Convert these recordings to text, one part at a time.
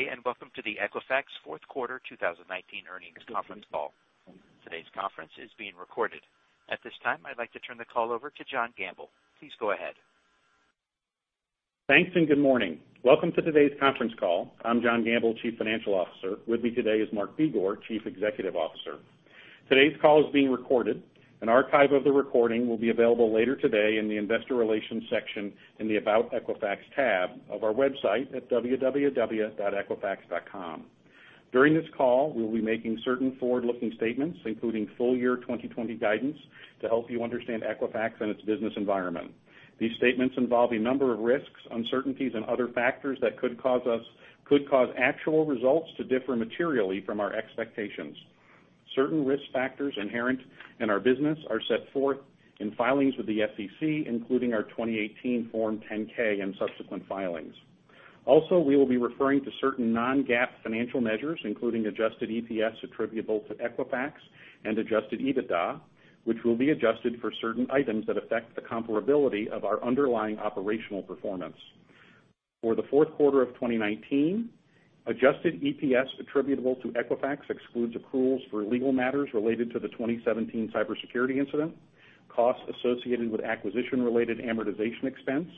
Good day, welcome to the Equifax fourth quarter 2019 earnings conference call. Today's conference is being recorded. At this time, I'd like to turn the call over to John Gamble. Please go ahead. Thanks, good morning. Welcome to today's conference call. I'm John Gamble, chief financial officer. With me today is Mark Begor, chief executive officer. Today's call is being recorded. An archive of the recording will be available later today in the investor relations section in the About Equifax tab of our website at www.equifax.com. During this call, we will be making certain forward-looking statements, including full year 2020 guidance to help you understand Equifax and its business environment. These statements involve a number of risks, uncertainties, and other factors that could cause actual results to differ materially from our expectations. Certain risk factors inherent in our business are set forth in filings with the SEC, including our 2018 Form 10-K and subsequent filings. We will be referring to certain non-GAAP financial measures, including adjusted EPS attributable to Equifax and adjusted EBITDA, which will be adjusted for certain items that affect the comparability of our underlying operational performance. For the fourth quarter of 2019, adjusted EPS attributable to Equifax excludes accruals for legal matters related to the 2017 cybersecurity incident, costs associated with acquisition-related amortization expense,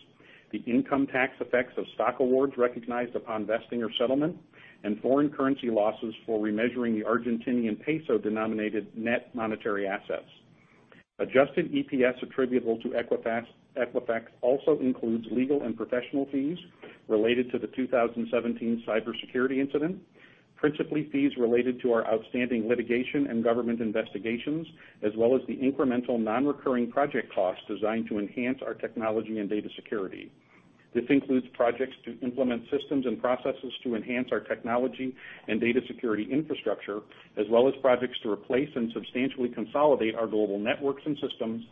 the income tax effects of stock awards recognized upon vesting or settlement, and foreign currency losses for remeasuring the Argentinian peso-denominated net monetary assets. Adjusted EPS attributable to Equifax also includes legal and professional fees related to the 2017 cybersecurity incident, principally fees related to our outstanding litigation and government investigations, as well as the incremental non-recurring project costs designed to enhance our technology and data security. This includes projects to implement systems and processes to enhance our technology and data security infrastructure, as well as projects to replace and substantially consolidate our global networks and systems,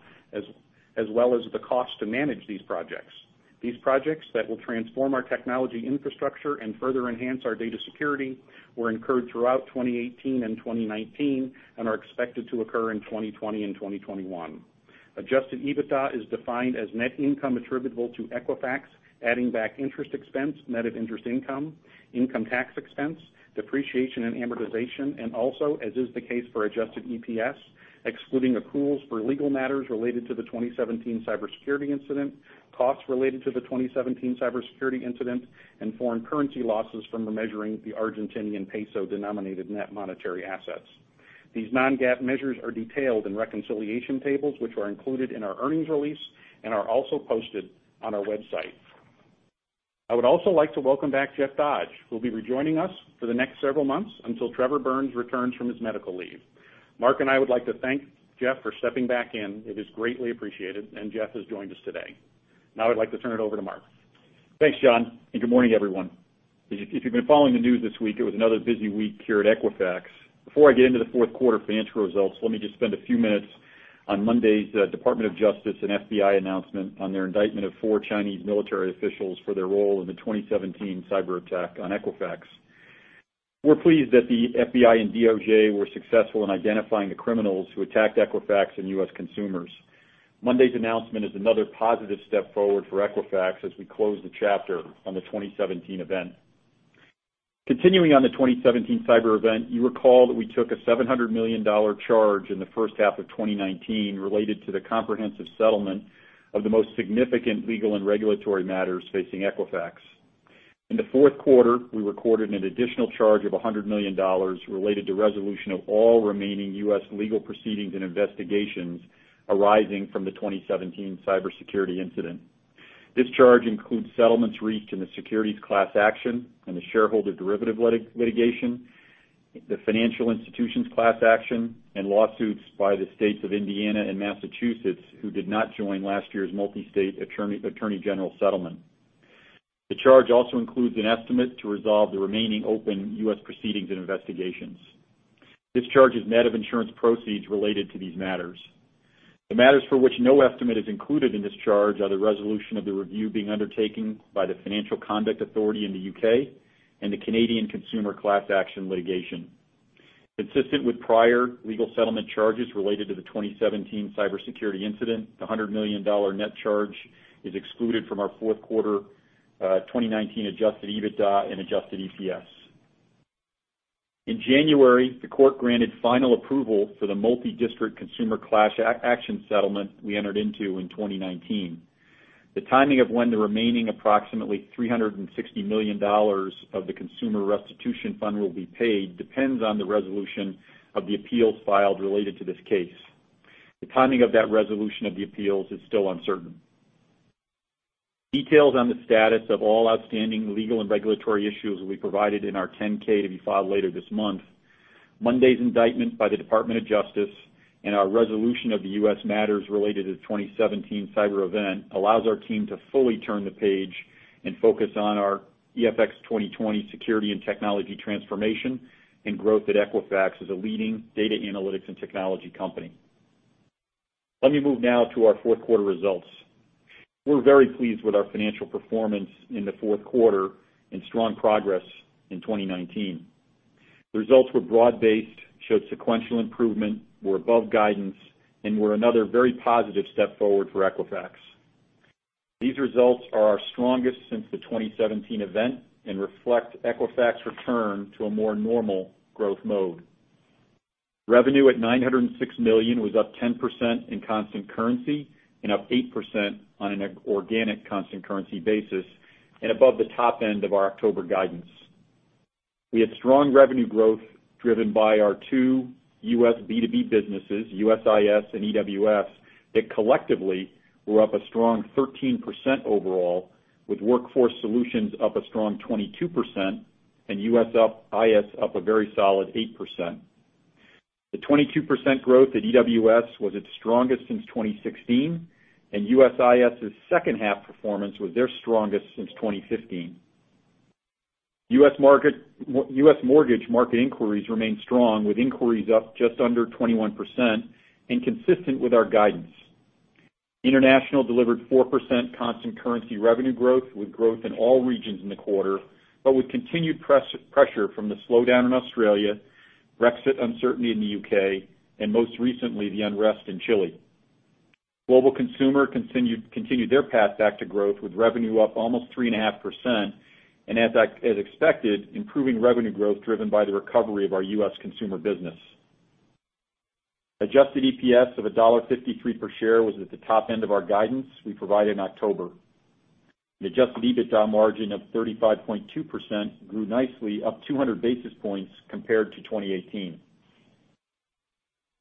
as well as the cost to manage these projects. These projects that will transform our technology infrastructure and further enhance our data security were incurred throughout 2018 and 2019 and are expected to occur in 2020 and 2021. Adjusted EBITDA is defined as net income attributable to Equifax, adding back interest expense, net of interest income tax expense, depreciation and amortization, also, as is the case for adjusted EPS, excluding accruals for legal matters related to the 2017 cybersecurity incident, costs related to the 2017 cybersecurity incident, and foreign currency losses from remeasuring the Argentinian peso-denominated net monetary assets. These non-GAAP measures are detailed in reconciliation tables, which are included in our earnings release and are also posted on our website. I would also like to welcome back Jeff Dodge, who will be rejoining us for the next several months until Trevor Burns returns from his medical leave. Mark and I would like to thank Jeff for stepping back in. It is greatly appreciated, and Jeff has joined us today. Now I'd like to turn it over to Mark. Thanks, John, and good morning, everyone. If you've been following the news this week, it was another busy week here at Equifax. Before I get into the fourth quarter financial results, let me just spend a few minutes on Monday's Department of Justice and FBI announcement on their indictment of four Chinese military officials for their role in the 2017 cyber attack on Equifax. We're pleased that the FBI and DOJ were successful in identifying the criminals who attacked Equifax and U.S. consumers. Monday's announcement is another positive step forward for Equifax as we close the chapter on the 2017 event. Continuing on the 2017 cyber event, you recall that we took a $700 million charge in the first half of 2019 related to the comprehensive settlement of the most significant legal and regulatory matters facing Equifax. In the fourth quarter, we recorded an additional charge of $100 million related to resolution of all remaining U.S. legal proceedings and investigations arising from the 2017 cybersecurity incident. This charge includes settlements reached in the securities class action and the shareholder derivative litigation, the financial institutions class action, and lawsuits by the states of Indiana and Massachusetts, who did not join last year's multi-state attorney general settlement. The charge also includes an estimate to resolve the remaining open U.S. proceedings and investigations. This charge is net of insurance proceeds related to these matters. The matters for which no estimate is included in this charge are the resolution of the review being undertaken by the Financial Conduct Authority in the U.K. and the Canadian consumer class action litigation. Consistent with prior legal settlement charges related to the 2017 cybersecurity incident, the $100 million net charge is excluded from our fourth quarter 2019 Adjusted EBITDA and Adjusted EPS. In January, the court granted final approval for the multi-district consumer class action settlement we entered into in 2019. The timing of when the remaining approximately $360 million of the consumer restitution fund will be paid depends on the resolution of the appeals filed related to this case. The timing of that resolution of the appeals is still uncertain. Details on the status of all outstanding legal and regulatory issues will be provided in our 10-K to be filed later this month. Monday's indictment by the Department of Justice and our resolution of the U.S. matters related to the 2017 cyber event allows our team to fully turn the page and focus on our EFX 2020 security and technology transformation and growth at Equifax as a leading data analytics and technology company. Let me move now to our fourth quarter results. We are very pleased with our financial performance in the fourth quarter and strong progress in 2019. The results were broad based, showed sequential improvement, were above guidance, and were another very positive step forward for Equifax. These results are our strongest since the 2017 event and reflect Equifax's return to a more normal growth mode. Revenue at $906 million was up 10% in constant currency and up 8% on an organic constant currency basis and above the top end of our October guidance. We had strong revenue growth driven by our two U.S. B2B businesses, USIS and EWS, that collectively were up a strong 13% overall, with Workforce Solutions up a strong 22% and USIS up a very solid 8%. The 22% growth at EWS was its strongest since 2016, and USIS's second half performance was their strongest since 2015. U.S. mortgage market inquiries remained strong, with inquiries up just under 21% and consistent with our guidance. International delivered 4% constant currency revenue growth, with growth in all regions in the quarter, but with continued pressure from the slowdown in Australia, Brexit uncertainty in the U.K., and most recently, the unrest in Chile. Global Consumer continued their path back to growth, with revenue up almost 3.5% and as expected, improving revenue growth driven by the recovery of our U.S. consumer business. Adjusted EPS of $1.53 per share was at the top end of our guidance we provided in October. The Adjusted EBITDA margin of 35.2% grew nicely, up 200 basis points compared to 2018.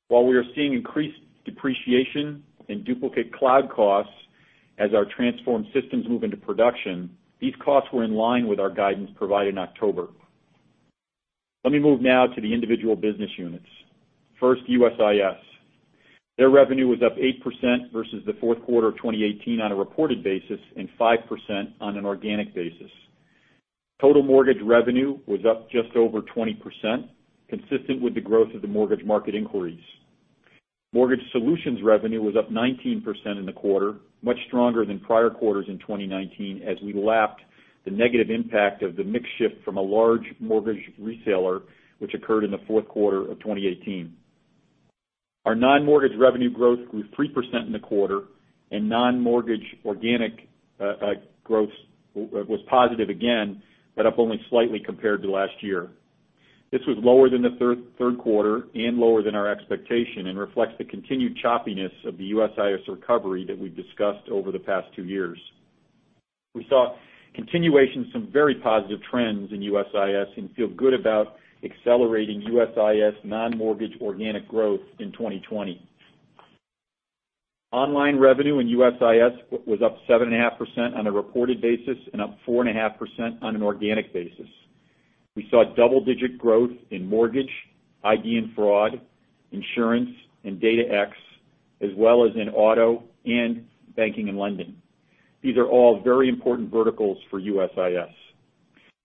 While we are seeing increased depreciation and duplicate cloud costs as our transformed systems move into production, these costs were in line with our guidance provided in October. Let me move now to the individual business units. First, USIS. Their revenue was up 8% versus the fourth quarter of 2018 on a reported basis and 5% on an organic basis. Total mortgage revenue was up just over 20%, consistent with the growth of the mortgage market inquiries. Mortgage solutions revenue was up 19% in the quarter, much stronger than prior quarters in 2019, as we lapped the negative impact of the mix shift from a large mortgage reseller, which occurred in the fourth quarter of 2018. Our non-mortgage revenue growth grew 3% in the quarter, and non-mortgage organic growth was positive again, but up only slightly compared to last year. This was lower than the third quarter and lower than our expectation and reflects the continued choppiness of the USIS recovery that we've discussed over the past two years. We saw continuation of some very positive trends in USIS and feel good about accelerating USIS non-mortgage organic growth in 2020. Online revenue in USIS was up 7.5% on a reported basis and up 4.5% on an organic basis. We saw double-digit growth in mortgage, ID and fraud, insurance, and DataX, as well as in auto and banking and lending. These are all very important verticals for USIS.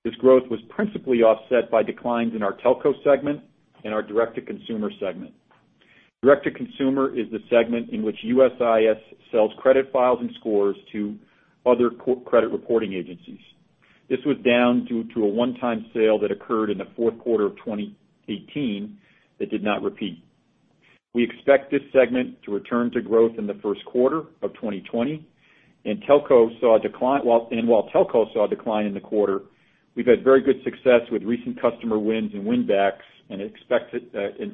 This growth was principally offset by declines in our telco segment and our direct-to-consumer segment. Direct-to-consumer is the segment in which USIS sells credit files and scores to other credit reporting agencies. This was down due to a one-time sale that occurred in the fourth quarter of 2018 that did not repeat. We expect this segment to return to growth in the first quarter of 2020. While telco saw a decline in the quarter, we've had very good success with recent customer wins and win-backs and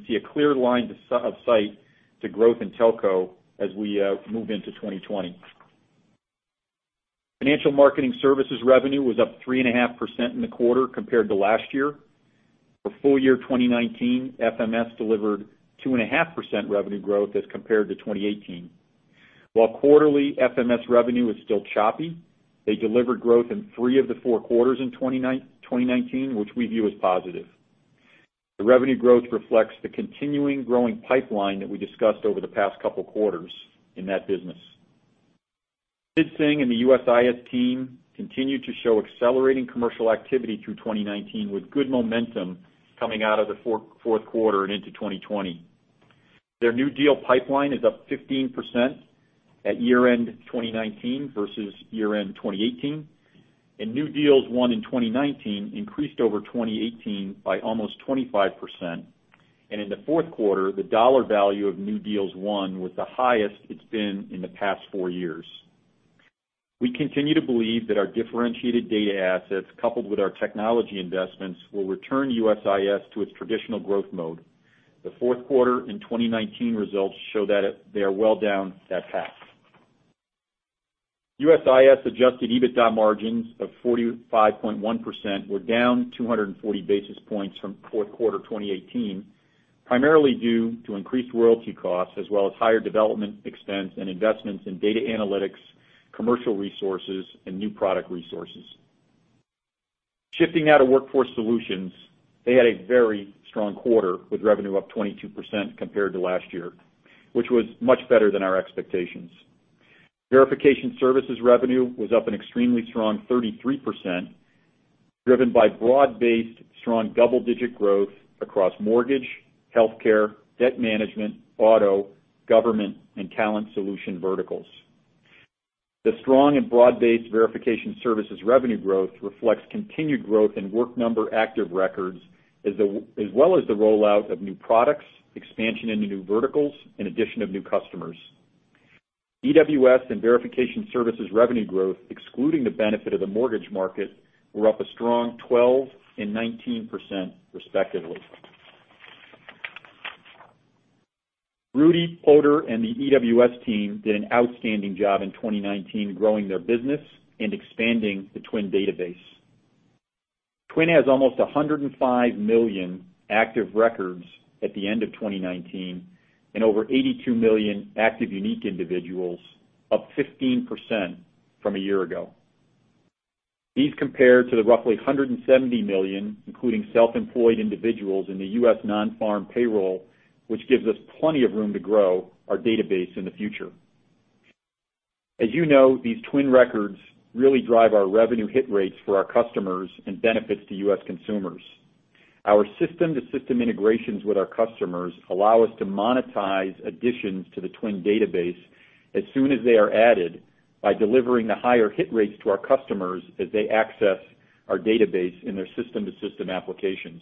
see a clear line of sight to growth in telco as we move into 2020. Financial Marketing Services revenue was up 3.5% in the quarter compared to last year. For full year 2019, FMS delivered 2.5% revenue growth as compared to 2018. While quarterly FMS revenue is still choppy, they delivered growth in three of the four quarters in 2019, which we view as positive. The revenue growth reflects the continuing growing pipeline that we discussed over the past couple of quarters in that business. Sid Singh and the USIS team continued to show accelerating commercial activity through 2019 with good momentum coming out of the fourth quarter and into 2020. Their new deal pipeline is up 15% at year-end 2019 versus year-end 2018, and new deals won in 2019 increased over 2018 by almost 25%. In the fourth quarter, the dollar value of new deals won was the highest it's been in the past four years. We continue to believe that our differentiated data assets, coupled with our technology investments, will return USIS to its traditional growth mode. The fourth quarter in 2019 results show that they are well down that path. USIS Adjusted EBITDA margins of 45.1% were down 240 basis points from fourth quarter 2018, primarily due to increased royalty costs as well as higher development expense and investments in data analytics, commercial resources, and new product resources. Shifting now to Workforce Solutions, they had a very strong quarter with revenue up 22% compared to last year, which was much better than our expectations. Verification Services revenue was up an extremely strong 33%, driven by broad-based, strong double-digit growth across mortgage, healthcare, debt management, auto, government, and talent solution verticals. The strong and broad-based Verification Services revenue growth reflects continued growth in The Work Number active records, as well as the rollout of new products, expansion into new verticals, and addition of new customers. EWS and Verification Services revenue growth, excluding the benefit of the mortgage market, were up a strong 12% and 19%, respectively. Rudy Ploder and the EWS team did an outstanding job in 2019 growing their business and expanding the Twin database. Twin has almost 105 million active records at the end of 2019 and over 82 million active unique individuals, up 15% from a year ago. These compare to the roughly 170 million, including self-employed individuals in the U.S. non-farm payroll, which gives us plenty of room to grow our database in the future. As you know, these Twin records really drive our revenue hit rates for our customers and benefits to U.S. consumers. Our system-to-system integrations with our customers allow us to monetize additions to the Twin database as soon as they are added by delivering the higher hit rates to our customers as they access our database in their system-to-system applications.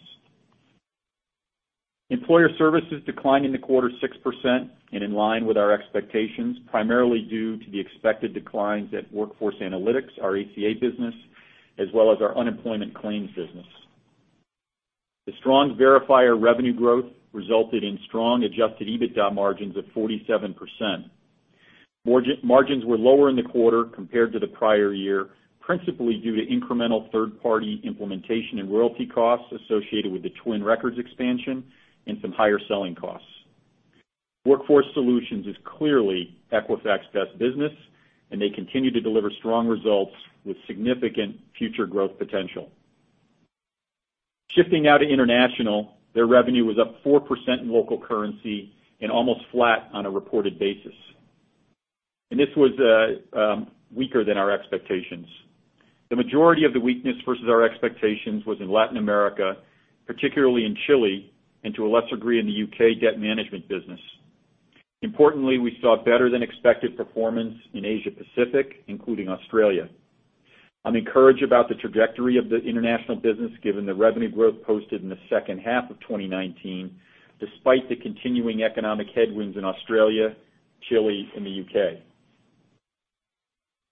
Employer Services declined in the quarter 6% in line with our expectations, primarily due to the expected declines at Workforce Analytics, our ACA business, as well as our unemployment claims business. The strong verifier revenue growth resulted in strong Adjusted EBITDA margins of 47%. Margins were lower in the quarter compared to the prior year, principally due to incremental third-party implementation and royalty costs associated with the Twin Records expansion and some higher selling costs. Workforce Solutions is clearly Equifax's best business, and they continue to deliver strong results with significant future growth potential. Shifting now to international, their revenue was up 4% in local currency and almost flat on a reported basis. This was weaker than our expectations. The majority of the weakness versus our expectations was in Latin America, particularly in Chile, and to a lesser degree, in the U.K. debt management business. Importantly, we saw better-than-expected performance in Asia Pacific, including Australia. I'm encouraged about the trajectory of the international business given the revenue growth posted in the second half of 2019, despite the continuing economic headwinds in Australia, Chile, and the U.K.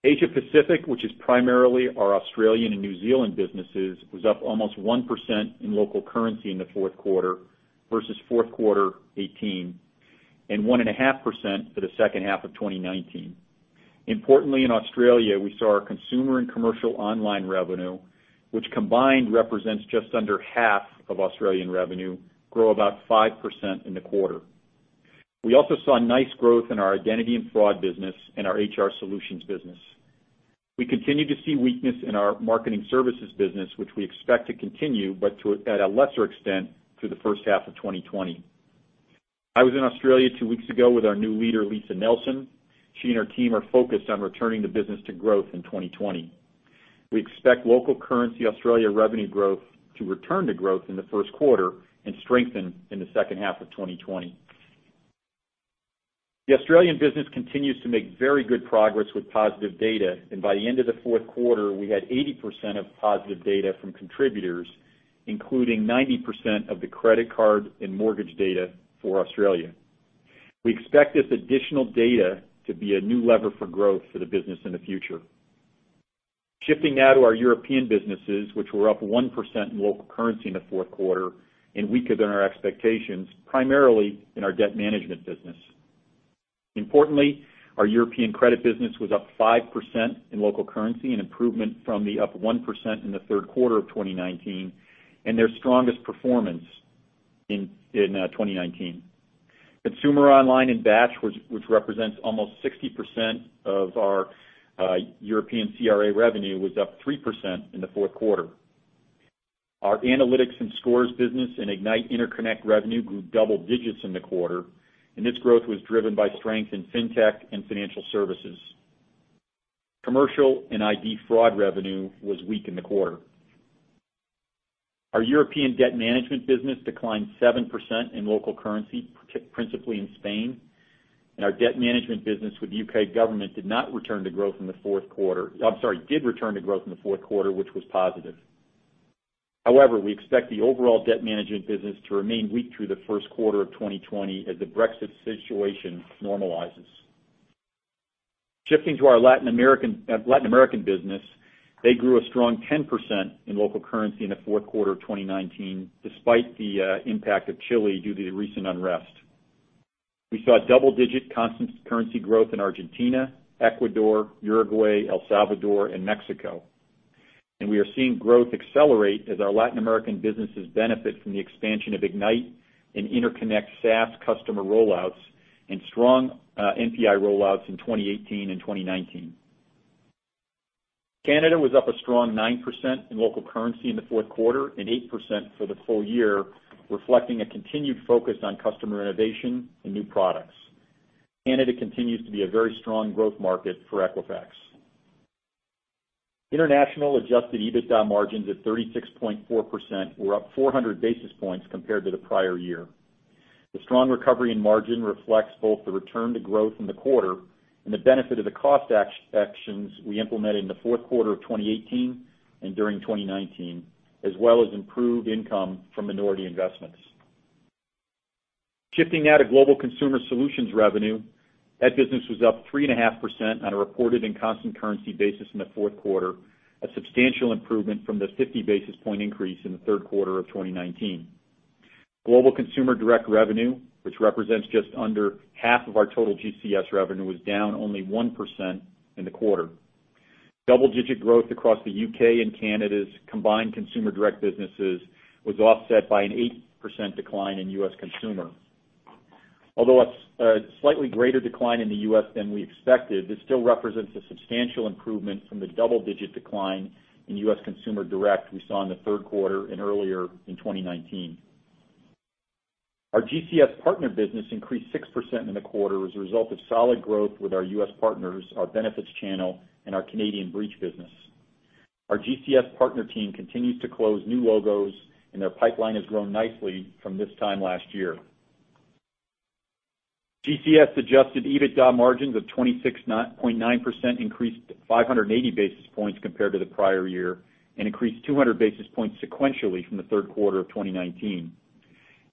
Asia Pacific, which is primarily our Australian and New Zealand businesses, was up almost 1% in local currency in the fourth quarter versus fourth quarter 2018, and 1.5% for the second half of 2019. Importantly, in Australia, we saw our consumer and commercial online revenue, which combined represents just under half of Australian revenue, grow about 5% in the quarter. We also saw nice growth in our identity and fraud business and our HR solutions business. We continue to see weakness in our marketing services business, which we expect to continue, but at a lesser extent through the first half of 2020. I was in Australia two weeks ago with our new leader, Lisa Nelson. She and her team are focused on returning the business to growth in 2020. We expect local currency Australia revenue growth to return to growth in the first quarter and strengthen in the second half of 2020. The Australian business continues to make very good progress with positive data, and by the end of the fourth quarter, we had 80% of positive data from contributors, including 90% of the credit card and mortgage data for Australia. Shifting now to our European businesses, which were up 1% in local currency in the fourth quarter and weaker than our expectations, primarily in our debt management business. Importantly, our European credit business was up 5% in local currency, an improvement from the up 1% in the third quarter of 2019, and their strongest performance in 2019. Consumer online and batch, which represents almost 60% of our European CRA revenue, was up 3% in the fourth quarter. Our analytics and scores business and Equifax Ignite + InterConnect revenue grew double digits in the quarter, and this growth was driven by strength in fintech and financial services. Commercial and ID fraud revenue was weak in the quarter. Our European debt management business declined 7% in local currency, principally in Spain, and our debt management business with the U.K. government did return to growth in the fourth quarter, which was positive. However, we expect the overall debt management business to remain weak through the first quarter of 2020 as the Brexit situation normalizes. Shifting to our Latin American business, they grew a strong 10% in local currency in the fourth quarter of 2019, despite the impact of Chile due to the recent unrest. We saw double-digit constant currency growth in Argentina, Ecuador, Uruguay, El Salvador, and Mexico. We are seeing growth accelerate as our Latin American businesses benefit from the expansion of Ignite and InterConnect SaaS customer rollouts and strong NPI rollouts in 2018 and 2019. Canada was up a strong 9% in local currency in the fourth quarter and 8% for the full year, reflecting a continued focus on customer innovation and new products. Canada continues to be a very strong growth market for Equifax. International Adjusted EBITDA margins at 36.4% were up 400 basis points compared to the prior year. The strong recovery in margin reflects both the return to growth in the quarter and the benefit of the cost actions we implemented in the fourth quarter of 2018 and during 2019, as well as improved income from minority investments. Shifting now to Global Consumer Solutions revenue, that business was up 3.5% on a reported and constant currency basis in the fourth quarter, a substantial improvement from the 50 basis point increase in the third quarter of 2019. Global consumer direct revenue, which represents just under half of our total GCS revenue, was down only 1% in the quarter. Double-digit growth across the U.K. and Canada's combined consumer direct businesses was offset by an 8% decline in U.S. consumer. Although a slightly greater decline in the U.S. than we expected, this still represents a substantial improvement from the double-digit decline in U.S. consumer direct we saw in the third quarter and earlier in 2019. Our GCS partner business increased 6% in the quarter as a result of solid growth with our U.S. partners, our benefits channel, and our Canadian breach business. Our GCS partner team continues to close new logos, and their pipeline has grown nicely from this time last year. GCS Adjusted EBITDA margins of 26.9% increased 580 basis points compared to the prior year and increased 200 basis points sequentially from the third quarter of 2019.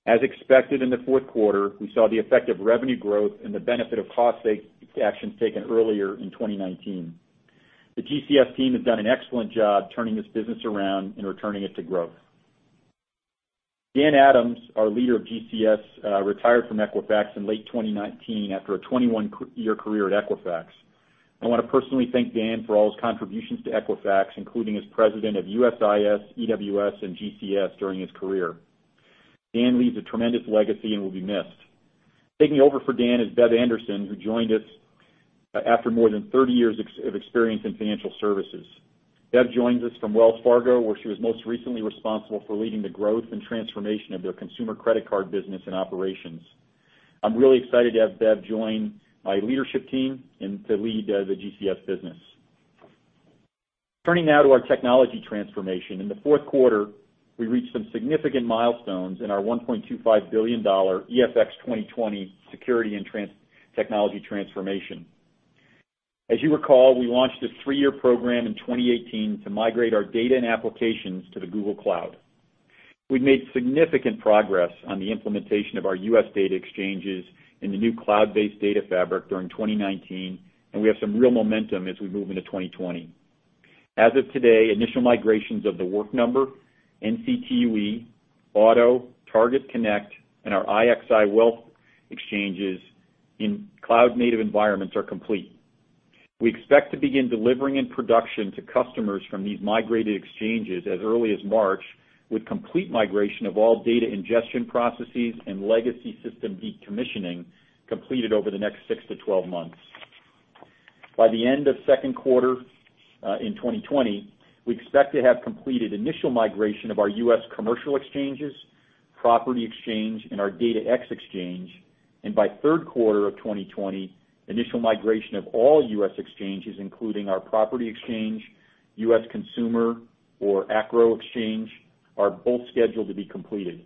As expected in the fourth quarter, we saw the effect of revenue growth and the benefit of cost actions taken earlier in 2019. The GCS team has done an excellent job turning this business around and returning it to growth. Dan Adams, our leader of GCS, retired from Equifax in late 2019 after a 21-year career at Equifax. I want to personally thank Dan for all his contributions to Equifax, including as president of USIS, EWS, and GCS during his career. Dan leaves a tremendous legacy and will be missed. Taking over for Dan is Bev Anderson, who joined us after more than 30 years of experience in financial services. Bev joins us from Wells Fargo, where she was most recently responsible for leading the growth and transformation of their consumer credit card business and operations. I'm really excited to have Bev join my leadership team and to lead the GCS business. Turning now to our technology transformation. In the fourth quarter, we reached some significant milestones in our $1.25 billion EFX 2020 security and technology transformation. As you recall, we launched a three-year program in 2018 to migrate our data and applications to the Google Cloud. We've made significant progress on the implementation of our U.S. data exchanges in the new cloud-based data fabric during 2019, and we have some real momentum as we move into 2020. As of today, initial migrations of The Work Number, NCTUE, Auto, Target Connect, and our IXI wealth exchanges in cloud-native environments are complete. We expect to begin delivering in production to customers from these migrated exchanges as early as March, with complete migration of all data ingestion processes and legacy system decommissioning completed over the next 6 to 12 months. By the end of second quarter of 2020, we expect to have completed initial migration of our U.S. commercial exchanges, property exchange, and our DataX exchange. By third quarter of 2020, initial migration of all U.S. exchanges, including our property exchange, U.S. consumer or ACRO exchange, are both scheduled to be completed.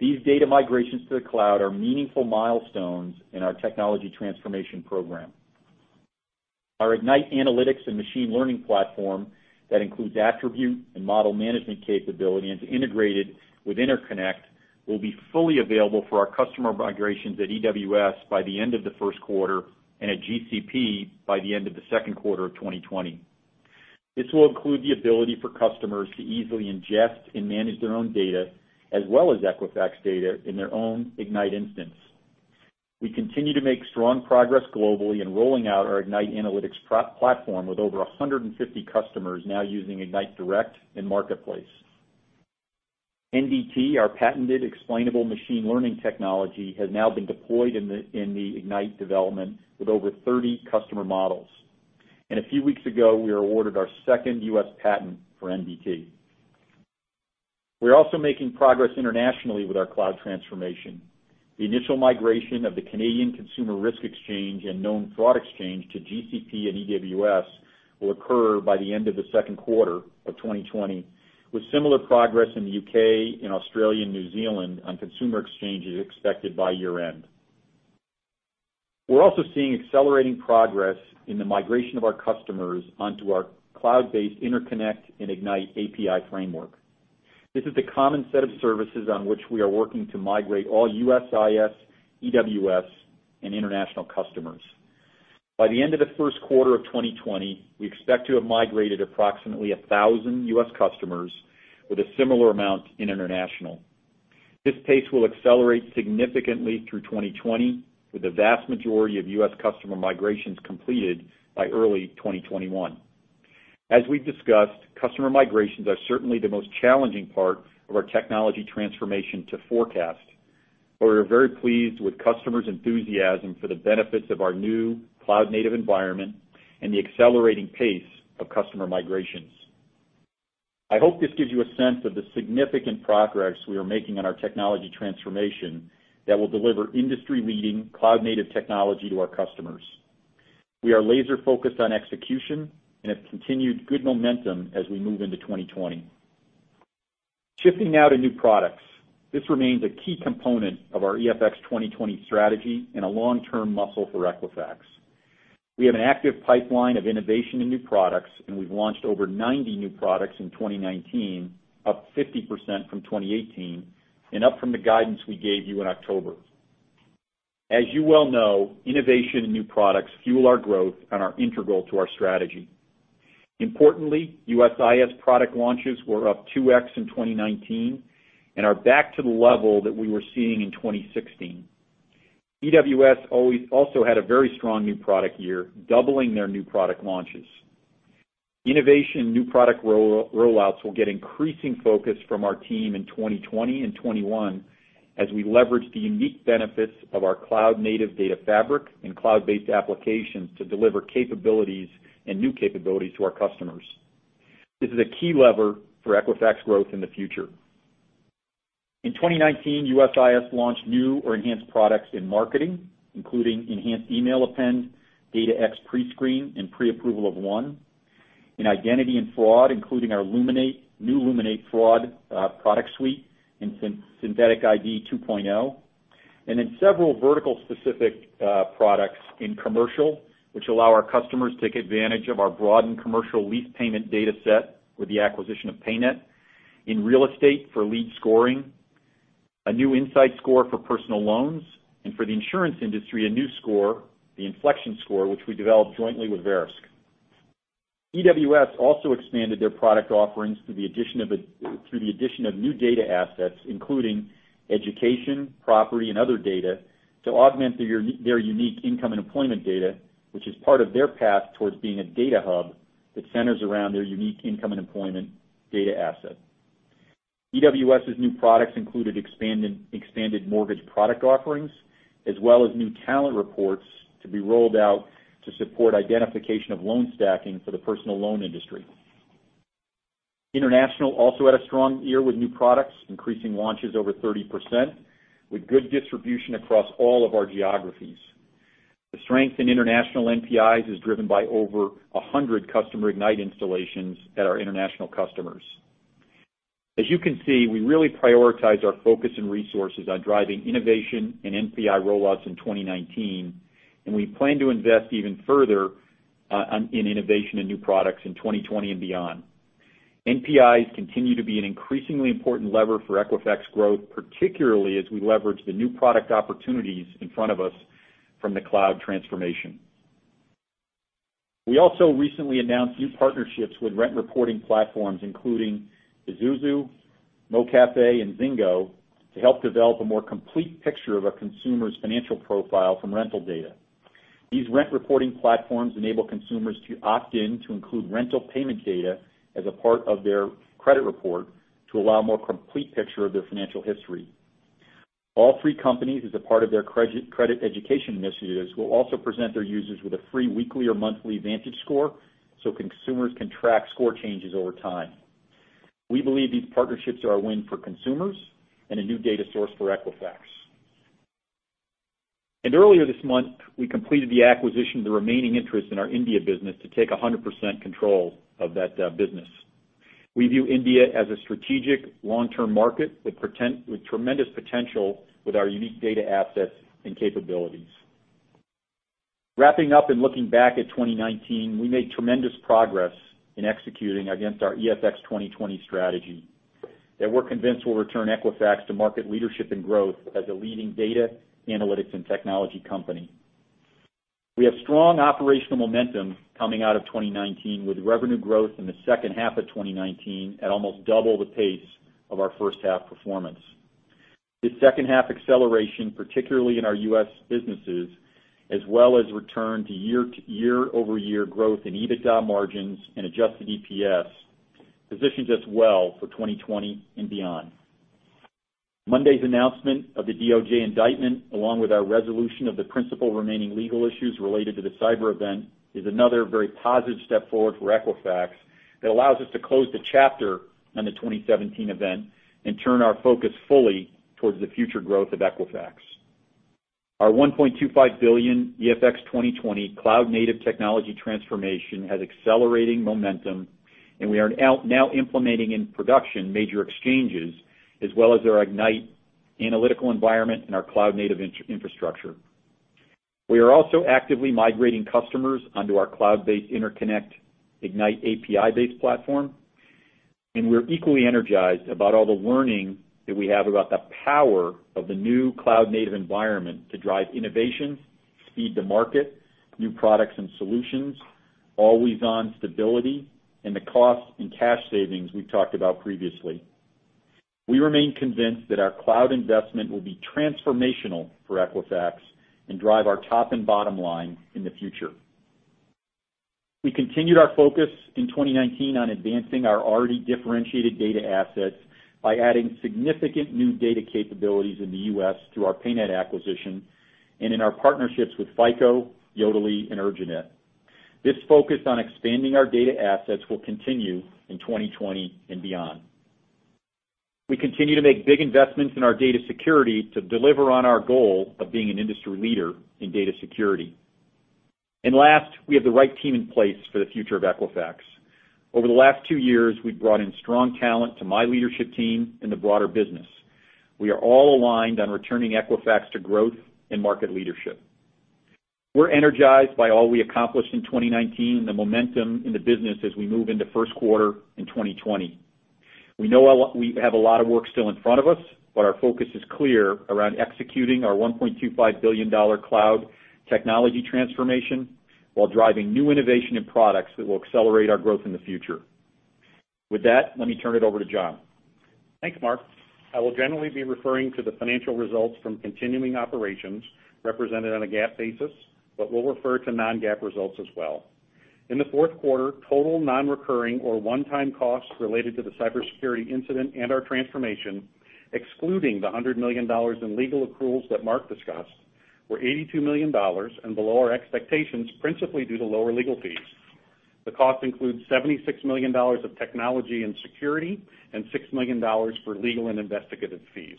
These data migrations to the cloud are meaningful milestones in our technology transformation program. Our Ignite analytics and machine learning platform that includes attribute and model management capability into integrated with InterConnect will be fully available for our customer migrations at EWS by the end of the first quarter and at GCP by the end of the second quarter of 2020. This will include the ability for customers to easily ingest and manage their own data, as well as Equifax data in their own Ignite instance. We continue to make strong progress globally in rolling out our Ignite analytics platform with over 150 customers now using Ignite Direct and Marketplace. NDT, our patented explainable machine learning technology, has now been deployed in the Ignite development with over 30 customer models. A few weeks ago, we were awarded our second U.S. patent for NDT. We're also making progress internationally with our cloud transformation. The initial migration of the Canadian Consumer Risk Exchange and Known Fraud Exchange to GCP and EWS will occur by the end of the second quarter of 2020, with similar progress in the U.K., in Australia, and New Zealand on consumer exchanges expected by year-end. We're also seeing accelerating progress in the migration of our customers onto our cloud-based InterConnect and Ignite API framework. This is the common set of services on which we are working to migrate all USIS, EWS, and international customers. By the end of the first quarter of 2020, we expect to have migrated approximately 1,000 U.S. customers with a similar amount in international. This pace will accelerate significantly through 2020, with the vast majority of U.S. customer migrations completed by early 2021. As we've discussed, customer migrations are certainly the most challenging part of our technology transformation to forecast, but we are very pleased with customers' enthusiasm for the benefits of our new cloud-native environment and the accelerating pace of customer migrations. I hope this gives you a sense of the significant progress we are making in our technology transformation that will deliver industry-leading cloud native technology to our customers. We are laser-focused on execution and have continued good momentum as we move into 2020. Shifting now to new products. This remains a key component of our EFX 2020 strategy and a long-term muscle for Equifax. We have an active pipeline of innovation and new products, and we've launched over 90 new products in 2019, up 50% from 2018, and up from the guidance we gave you in October. As you well know, innovation and new products fuel our growth and are integral to our strategy. Importantly, USIS product launches were up 2x in 2019 and are back to the level that we were seeing in 2016. EWS also had a very strong new product year, doubling their new product launches. Innovation new product rollouts will get increasing focus from our team in 2020 and 2021 as we leverage the unique benefits of our cloud-native data fabric and cloud-based applications to deliver capabilities and new capabilities to our customers. This is a key lever for Equifax growth in the future. In 2019, USIS launched new or enhanced products in marketing, including Enhanced Email Append, DataX Prescreen, and Pre-Approval of One. In identity and fraud, including our new Luminate Fraud product suite and Synthetic ID 2.0, and in several vertical specific products in commercial, which allow our customers to take advantage of our broadened commercial lease payment data set with the acquisition of PayNet in real estate for lead scoring, a new Insight Score for Personal Loans, and for the insurance industry, a new score, the Inflection Score, which we developed jointly with Verisk. EWS also expanded their product offerings through the addition of new data assets, including education, property, and other data, to augment their unique income and employment data, which is part of their path towards being a data hub that centers around their unique income and employment data asset. EWS's new products included expanded mortgage product offerings, as well as new talent reports to be rolled out to support identification of loan stacking for the personal loan industry. International also had a strong year with new products, increasing launches over 30%, with good distribution across all of our geographies. The strength in international NPIs is driven by over 100 customer Ignite installations at our international customers. As you can see, we really prioritize our focus and resources on driving innovation and NPI rollouts in 2019, and we plan to invest even further in innovation and new products in 2020 and beyond. NPIs continue to be an increasingly important lever for Equifax growth, particularly as we leverage the new product opportunities in front of us from the cloud transformation. We also recently announced new partnerships with rent reporting platforms, including Esusu, MoCaFi, and Zingo, to help develop a more complete picture of a consumer's financial profile from rental data. These rent reporting platforms enable consumers to opt in to include rental payment data as a part of their credit report to allow a more complete picture of their financial history. All three companies, as a part of their credit education initiatives, will also present their users with a free weekly or monthly VantageScore so consumers can track score changes over time. We believe these partnerships are a win for consumers and a new data source for Equifax. Earlier this month, we completed the acquisition of the remaining interest in our India business to take 100% control of that business. We view India as a strategic long-term market with tremendous potential with our unique data assets and capabilities. Wrapping up and looking back at 2019, we made tremendous progress in executing against our EFX 2020 strategy that we're convinced will return Equifax to market leadership and growth as a leading data analytics and technology company. We have strong operational momentum coming out of 2019 with revenue growth in the second half of 2019 at almost double the pace of our first half performance. This second half acceleration, particularly in our U.S. businesses, as well as return to year-over-year growth in EBITDA margins and Adjusted EPS, positions us well for 2020 and beyond. Monday's announcement of the DOJ indictment, along with our resolution of the principal remaining legal issues related to the cyber event, is another very positive step forward for Equifax that allows us to close the chapter on the 2017 event and turn our focus fully towards the future growth of Equifax. Our $1.25 billion EFX 2020 cloud-native technology transformation has accelerating momentum, and we are now implementing in production major exchanges, as well as our Ignite analytical environment and our cloud-native infrastructure. We are also actively migrating customers onto our cloud-based InterConnect Ignite API-based platform, and we're equally energized about all the learning that we have about the power of the new cloud-native environment to drive innovation, speed to market, new products and solutions, always-on stability, and the cost and cash savings we've talked about previously. We remain convinced that our cloud investment will be transformational for Equifax and drive our top and bottom line in the future. We continued our focus in 2019 on advancing our already differentiated data assets by adding significant new data capabilities in the U.S. through our PayNet acquisition and in our partnerships with FICO, Yodlee, and Urjanet. This focus on expanding our data assets will continue in 2020 and beyond. We continue to make big investments in our data security to deliver on our goal of being an industry leader in data security. Last, we have the right team in place for the future of Equifax. Over the last two years, we've brought in strong talent to my leadership team and the broader business. We are all aligned on returning Equifax to growth and market leadership. We're energized by all we accomplished in 2019 and the momentum in the business as we move into first quarter in 2020. We know we have a lot of work still in front of us, but our focus is clear around executing our $1.25 billion cloud technology transformation while driving new innovation in products that will accelerate our growth in the future. With that, let me turn it over to John. Thanks, Mark. I will generally be referring to the financial results from continuing operations represented on a GAAP basis, but we'll refer to non-GAAP results as well. In the fourth quarter, total non-recurring or one-time costs related to the cybersecurity incident and our transformation, excluding the $100 million in legal accruals that Mark discussed, were $82 million and below our expectations, principally due to lower legal fees. The cost includes $76 million of technology and security and $6 million for legal and investigative fees.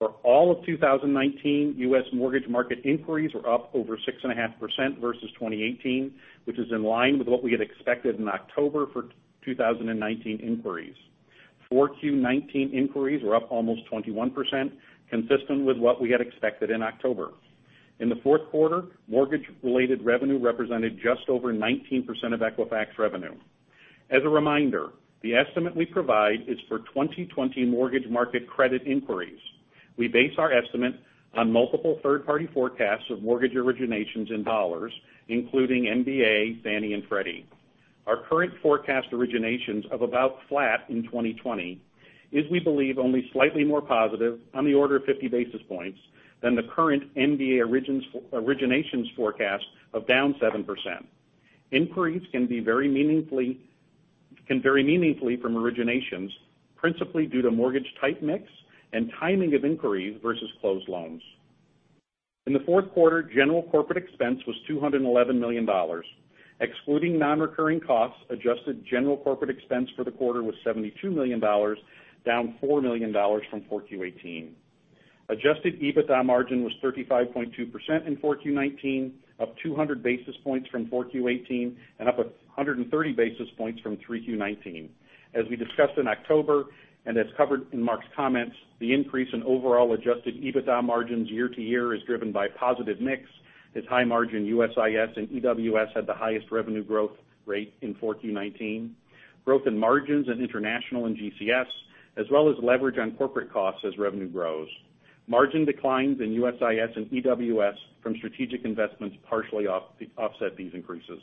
For all of 2019, U.S. mortgage market inquiries were up over 6.5% versus 2018, which is in line with what we had expected in October for 2019 inquiries. 4Q19 inquiries were up almost 21%, consistent with what we had expected in October. In the fourth quarter, mortgage-related revenue represented just over 19% of Equifax revenue. As a reminder, the estimate we provide is for 2020 mortgage market credit inquiries. We base our estimate on multiple third-party forecasts of mortgage originations in dollars, including MBA, Fannie, and Freddie. Our current forecast originations of about flat in 2020 is, we believe, only slightly more positive on the order of 50 basis points than the current MBA originations forecast of down 7%. Inquiries can vary meaningfully from originations, principally due to mortgage type mix and timing of inquiries versus closed loans. In the fourth quarter, general corporate expense was $211 million. Excluding non-recurring costs, adjusted general corporate expense for the quarter was $72 million, down $4 million from 4Q18. Adjusted EBITDA margin was 35.2% in 4Q19, up 200 basis points from 4Q18 and up 130 basis points from 3Q19. As we discussed in October, as covered in Mark's comments, the increase in overall Adjusted EBITDA margins year-to-year is driven by positive mix, as high margin USIS and EWS had the highest revenue growth rate in 4Q19, growth in margins in International and GCS, as well as leverage on corporate costs as revenue grows. Margin declines in USIS and EWS from strategic investments partially offset these increases.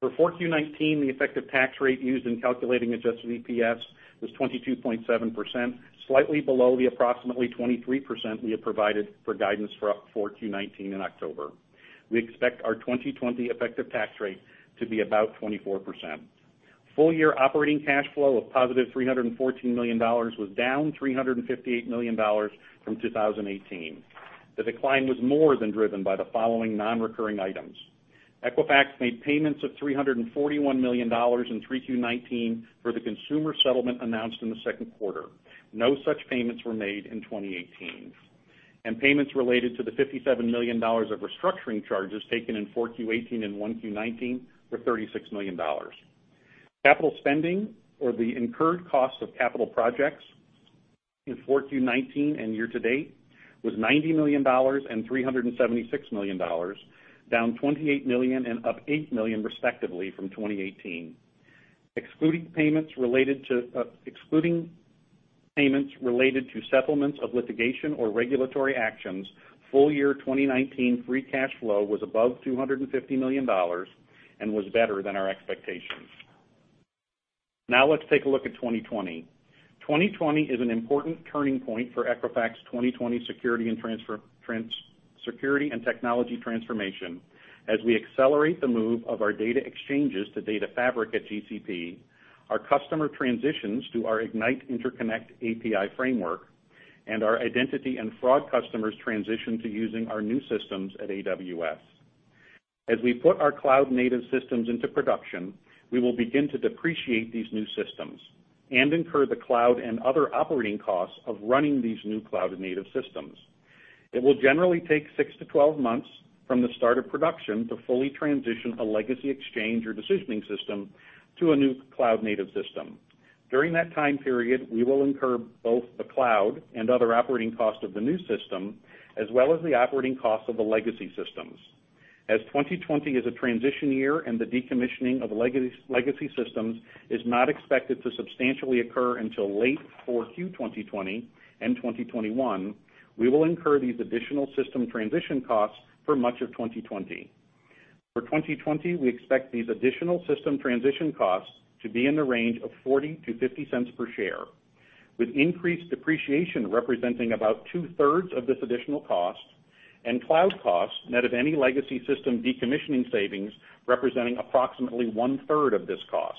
For 4Q19, the effective tax rate used in calculating Adjusted EPS was 22.7%, slightly below the approximately 23% we had provided for guidance for 4Q19 in October. We expect our 2020 effective tax rate to be about 24%. Full-year operating cash flow of positive $314 million was down $358 million from 2018. The decline was more than driven by the following non-recurring items. Equifax made payments of $341 million in 3Q19 for the consumer settlement announced in the second quarter. No such payments were made in 2018. Payments related to the $57 million of restructuring charges taken in 4Q18 and 1Q19 were $36 million. Capital spending, or the incurred cost of capital projects in 4Q19 and year-to-date, was $90 million and $376 million, down $28 million and up $8 million respectively from 2018. Excluding payments related to settlements of litigation or regulatory actions, full year 2019 free cash flow was above $250 million and was better than our expectations. Now let's take a look at 2020. 2020 is an important turning point for Equifax 2020 security and technology transformation as we accelerate the move of our data exchanges to data fabric at GCP, our customer transitions to our Equifax Ignite InterConnect API framework, and our identity and fraud customers transition to using our new systems at AWS. As we put our cloud-native systems into production, we will begin to depreciate these new systems and incur the cloud and other operating costs of running these new cloud-native systems. It will generally take six to 12 months from the start of production to fully transition a legacy exchange or decisioning system to a new cloud-native system. During that time period, we will incur both the cloud and other operating costs of the new system, as well as the operating costs of the legacy systems. As 2020 is a transition year and the decommissioning of legacy systems is not expected to substantially occur until late Q4 2020 and 2021, we will incur these additional system transition costs for much of 2020. For 2020, we expect these additional system transition costs to be in the range of $0.40 to $0.50 per share, with increased depreciation representing about two-thirds of this additional cost and cloud costs net of any legacy system decommissioning savings representing approximately one-third of this cost.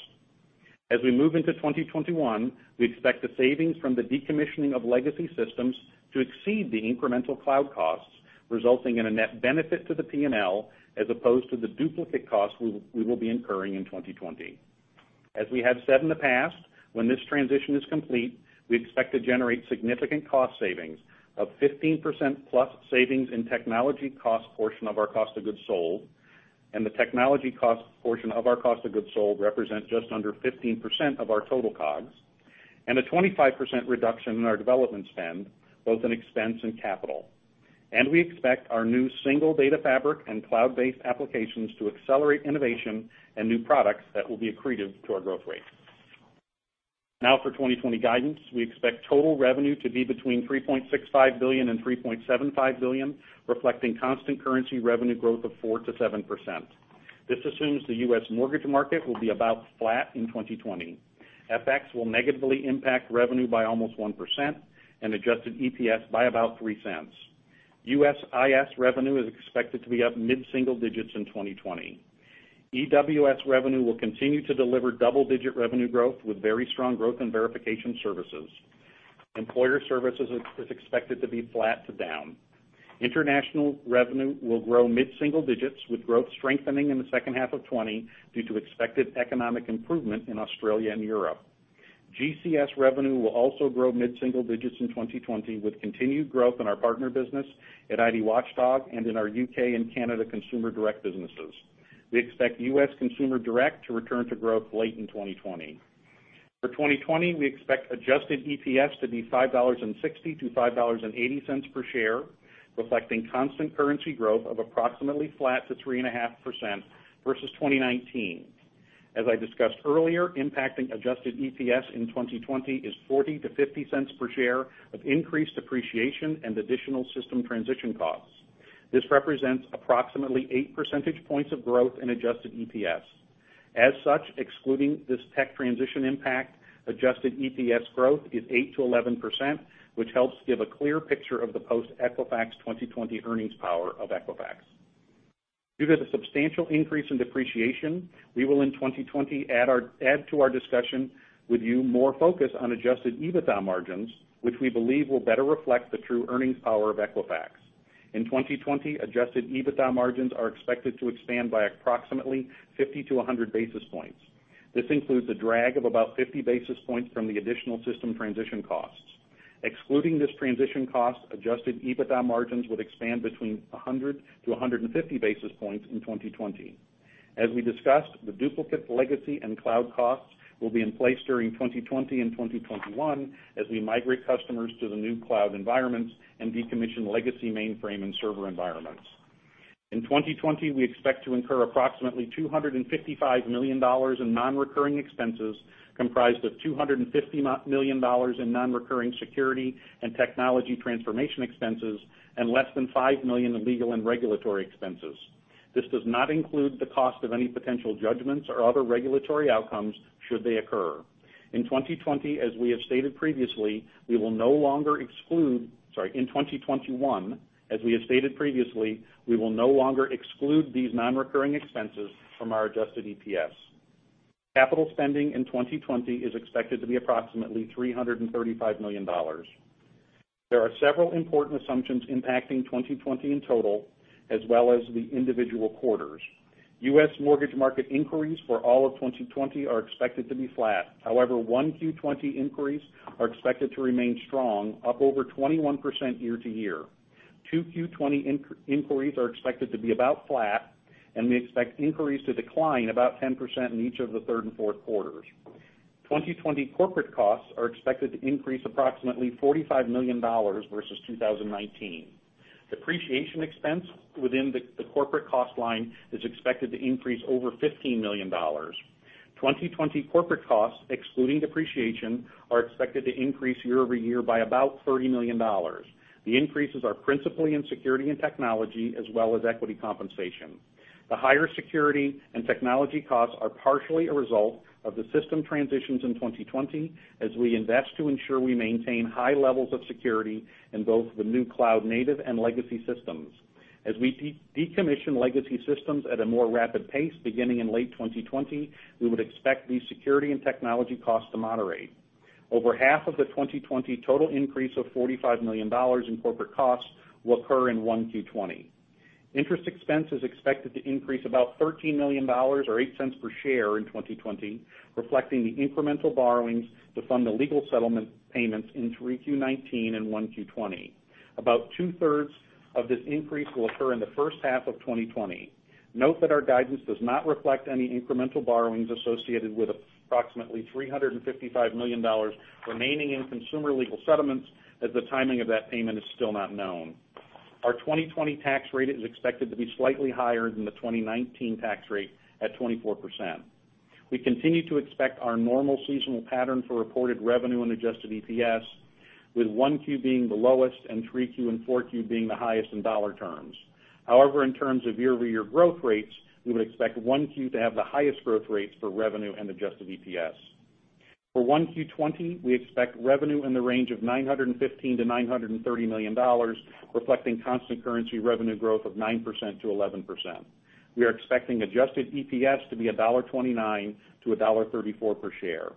As we move into 2021, we expect the savings from the decommissioning of legacy systems to exceed the incremental cloud costs, resulting in a net benefit to the P&L as opposed to the duplicate costs we will be incurring in 2020. As we have said in the past, when this transition is complete, we expect to generate significant cost savings of 15%+ savings in technology cost portion of our cost of goods sold. The technology cost portion of our cost of goods sold represent just under 15% of our total COGS. A 25% reduction in our development spend, both in expense and capital. We expect our new single data fabric and cloud-based applications to accelerate innovation and new products that will be accretive to our growth rate. Now for 2020 guidance. We expect total revenue to be between $3.65 billion and $3.75 billion, reflecting constant currency revenue growth of 4%-7%. This assumes the U.S. mortgage market will be about flat in 2020. FX will negatively impact revenue by almost 1% and Adjusted EPS by about $0.03. USIS revenue is expected to be up mid-single digits in 2020. EWS revenue will continue to deliver double-digit revenue growth with very strong growth in Verification Services. Employer Services is expected to be flat to down. International revenue will grow mid-single digits with growth strengthening in the second half of 2020 due to expected economic improvement in Australia and Europe. GCS revenue will also grow mid-single digits in 2020 with continued growth in our partner business at ID Watchdog and in our U.K. and Canada consumer direct businesses. We expect U.S. consumer direct to return to growth late in 2020. For 2020, we expect Adjusted EPS to be $5.60 to $5.80 per share, reflecting constant currency growth of approximately flat to 3.5% versus 2019. As I discussed earlier, impacting Adjusted EPS in 2020 is $0.40 to $0.50 per share of increased depreciation and additional system transition costs. This represents approximately eight percentage points of growth in Adjusted EPS. Excluding this tech transition impact, Adjusted EPS growth is 8%-11%, which helps give a clear picture of the post-Equifax 2020 earnings power of Equifax. Due to the substantial increase in depreciation, we will in 2020 add to our discussion with you more focus on Adjusted EBITDA margins, which we believe will better reflect the true earnings power of Equifax. In 2020, Adjusted EBITDA margins are expected to expand by approximately 50-100 basis points. This includes a drag of about 50 basis points from the additional system transition costs. Excluding this transition cost, Adjusted EBITDA margins would expand between 100-150 basis points in 2020. The duplicate legacy and cloud costs will be in place during 2020 and 2021 as we migrate customers to the new cloud environments and decommission legacy mainframe and server environments. In 2020, we expect to incur approximately $255 million in non-recurring expenses, comprised of $250 million in non-recurring security and technology transformation expenses and less than $5 million in legal and regulatory expenses. This does not include the cost of any potential judgments or other regulatory outcomes should they occur. In 2021, as we have stated previously, we will no longer exclude these non-recurring expenses from our Adjusted EPS. Capital spending in 2020 is expected to be approximately $335 million. There are several important assumptions impacting 2020 in total as well as the individual quarters. U.S. mortgage market inquiries for all of 2020 are expected to be flat. However, one Q20 inquiries are expected to remain strong, up over 21% year-over-year. Two Q20 inquiries are expected to be about flat, and we expect inquiries to decline about 10% in each of the third and fourth quarters. 2020 corporate costs are expected to increase approximately $45 million versus 2019. Depreciation expense within the corporate cost line is expected to increase over $15 million. 2020 corporate costs, excluding depreciation, are expected to increase year-over-year by about $30 million. The increases are principally in security and technology as well as equity compensation. The higher security and technology costs are partially a result of the system transitions in 2020 as we invest to ensure we maintain high levels of security in both the new cloud native and legacy systems. As we decommission legacy systems at a more rapid pace beginning in late 2020, we would expect these security and technology costs to moderate. Over half of the 2020 total increase of $45 million in corporate costs will occur in one Q20. Interest expense is expected to increase about $13 million or $0.08 per share in 2020, reflecting the incremental borrowings to fund the legal settlement payments in 3Q19 and one Q20. About two-thirds of this increase will occur in the first half of 2020. Note that our guidance does not reflect any incremental borrowings associated with approximately $355 million remaining in consumer legal settlements as the timing of that payment is still not known. Our 2020 tax rate is expected to be slightly higher than the 2019 tax rate at 24%. We continue to expect our normal seasonal pattern for reported revenue and Adjusted EPS, with one Q being the lowest and three Q and four Q being the highest in dollar terms. However, in terms of year-over-year growth rates, we would expect one Q to have the highest growth rates for revenue and Adjusted EPS. For one Q20, we expect revenue in the range of $915 million-$930 million, reflecting constant currency revenue growth of 9%-11%. We are expecting Adjusted EPS to be $1.29-$1.34 per share.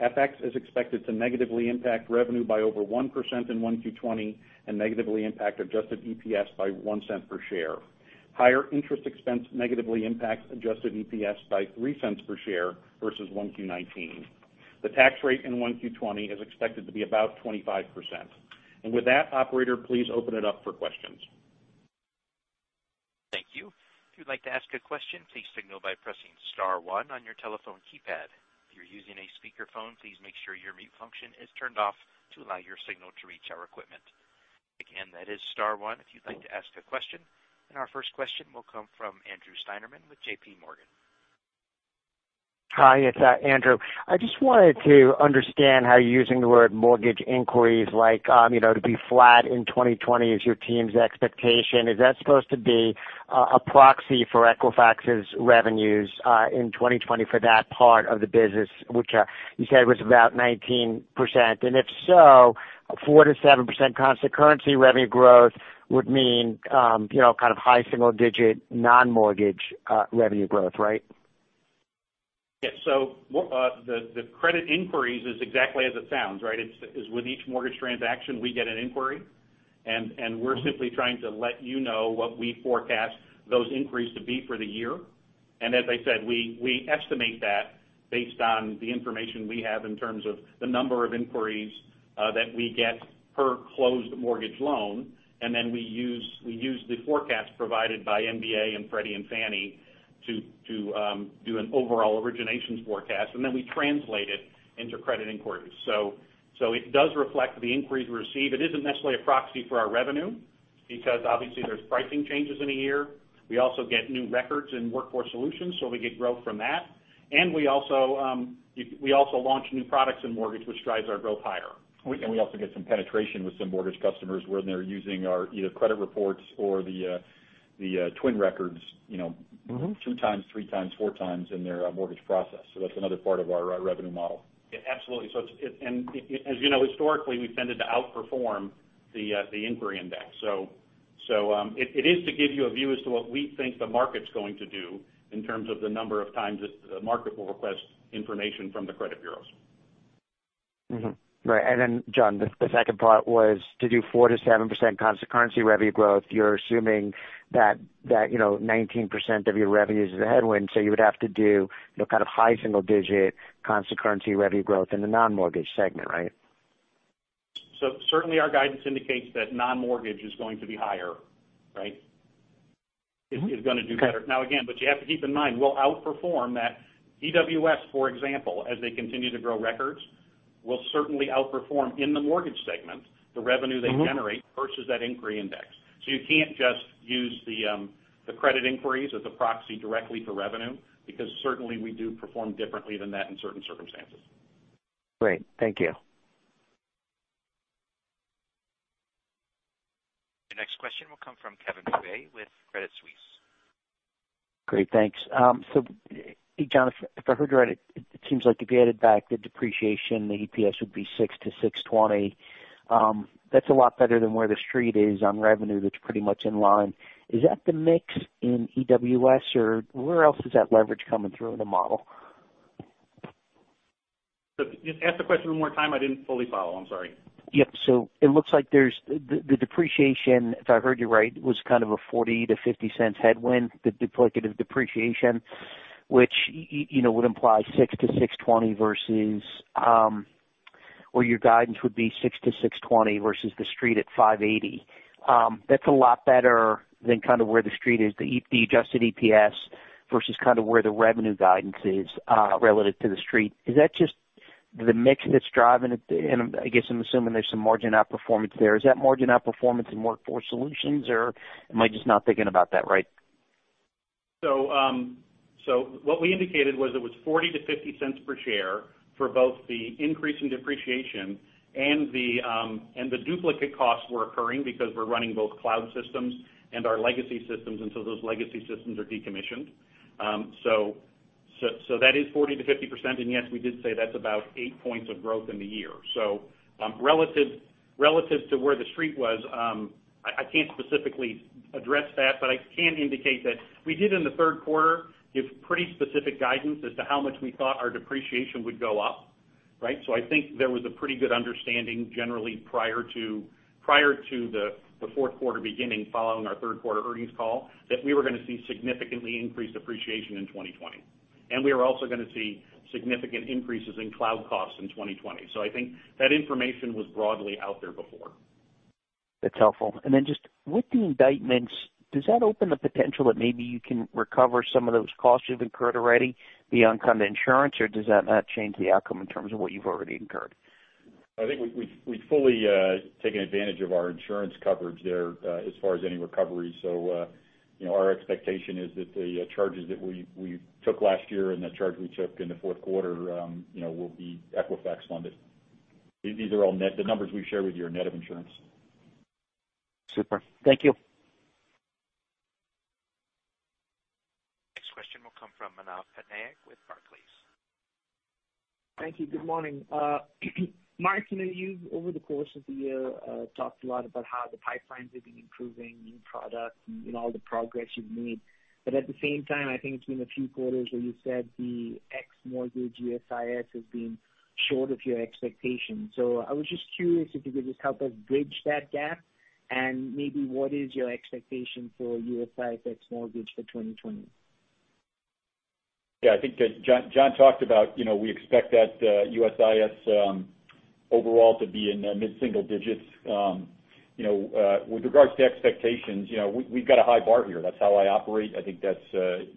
FX is expected to negatively impact revenue by over 1% in one Q20 and negatively impact Adjusted EPS by $0.01 per share. Higher interest expense negatively impacts Adjusted EPS by $0.03 per share versus one Q19. The tax rate in 1Q20 is expected to be about 25%. With that, operator, please open it up for questions. Thank you. If you'd like to ask a question, please signal by pressing star one on your telephone keypad. If you're using a speakerphone, please make sure your mute function is turned off to allow your signal to reach our equipment. Again, that is star one if you'd like to ask a question. Our first question will come from Andrew Steinerman with JPMorgan. Hi, it's Andrew. I just wanted to understand how you're using the word mortgage inquiries like, to be flat in 2020 is your team's expectation. Is that supposed to be a proxy for Equifax's revenues in 2020 for that part of the business, which you said was about 19%? If so, 4%-7% constant currency revenue growth would mean kind of high single digit non-mortgage revenue growth, right? The credit inquiries is exactly as it sounds, right? With each mortgage transaction, we get an inquiry, and we're simply trying to let you know what we forecast those inquiries to be for the year. As I said, we estimate that based on the information we have in terms of the number of inquiries that we get per closed mortgage loan. We use the forecast provided by MBA and Freddie and Fannie to do an overall originations forecast, and then we translate it into credit inquiries. It does reflect the inquiries received. It isn't necessarily a proxy for our revenue because obviously there's pricing changes in a year. We also get new records in Workforce Solutions, so we get growth from that. We also launch new products in mortgage which drives our growth higher. We also get some penetration with some mortgage customers when they're using our either credit reports or the twin records- two times, three times, four times in their mortgage process. That's another part of our revenue model. Yeah, absolutely. As you know, historically, we've tended to outperform the inquiry index. It is to give you a view as to what we think the market's going to do in terms of the number of times that the market will request information from the credit bureaus. Right. Then, John, the second part was to do 4%-7% constant currency revenue growth, you're assuming that 19% of your revenue is a headwind, so you would have to do kind of high single-digit constant currency revenue growth in the non-mortgage segment, right? Certainly our guidance indicates that non-mortgage is going to be higher, right? Okay. Is going to do better. Again, you have to keep in mind, we'll outperform that. EWS, for example, as they continue to grow records, will certainly outperform in the mortgage segment the revenue they generate versus that inquiry index. You can't just use the credit inquiries as a proxy directly to revenue because certainly we do perform differently than that in certain circumstances. Great. Thank you. Your next question will come from Kevin McVeigh with Credit Suisse. Great. Thanks. John, if I heard you right, it seems like if you added back the depreciation, the EPS would be $6-$6.20. That's a lot better than where the Street is on revenue that's pretty much in line. Is that the mix in EWS or where else is that leverage coming through in the model? Ask the question one more time. I didn't fully follow. I'm sorry. Yep. It looks like there's the depreciation, if I heard you right, was kind of a $0.40-$0.50 headwind, the duplicative depreciation, which would imply $6.00-$6.20 versus, or your guidance would be $6.00-$6.20 versus the Street at $5.80. That's a lot better than where the Street is, the Adjusted EPS versus where the revenue guidance is relative to the Street. Is that just the mix that's driving it? I guess I'm assuming there's some margin outperformance there. Is that margin outperformance in Workforce Solutions, or am I just not thinking about that right? What we indicated was it was $0.40-$0.50 per share for both the increase in depreciation and the duplicate costs were occurring because we're running both cloud systems and our legacy systems until those legacy systems are decommissioned. That is 40%-50%. Yes, we did say that's about eight points of growth in the year. Relative to where the Street was, I can't specifically address that, but I can indicate that we did in the third quarter give pretty specific guidance as to how much we thought our depreciation would go up, right? I think there was a pretty good understanding generally prior to the fourth quarter beginning following our third quarter earnings call that we were going to see significantly increased depreciation in 2020. We are also going to see significant increases in cloud costs in 2020. I think that information was broadly out there before. That's helpful. Then just with the indictments, does that open the potential that maybe you can recover some of those costs you've incurred already beyond kind of insurance, or does that not change the outcome in terms of what you've already incurred? I think we've fully taken advantage of our insurance coverage there as far as any recovery. Our expectation is that the charges that we took last year and the charge we took in the fourth quarter will be Equifax funded. The numbers we've shared with you are net of insurance. Super. Thank you. Next question will come from Manav Patnaik with Barclays. Thank you. Good morning. Mark, you know you've over the course of the year talked a lot about how the pipelines have been improving, new products and all the progress you've made. At the same time, I think it's been a few quarters where you said the X mortgage USIS has been short of your expectations. I was just curious if you could just help us bridge that gap and maybe what is your expectation for USIS X mortgage for 2020? I think that John talked about we expect that USIS overall to be in mid-single digits. With regards to expectations, we've got a high bar here. That's how I operate. I think,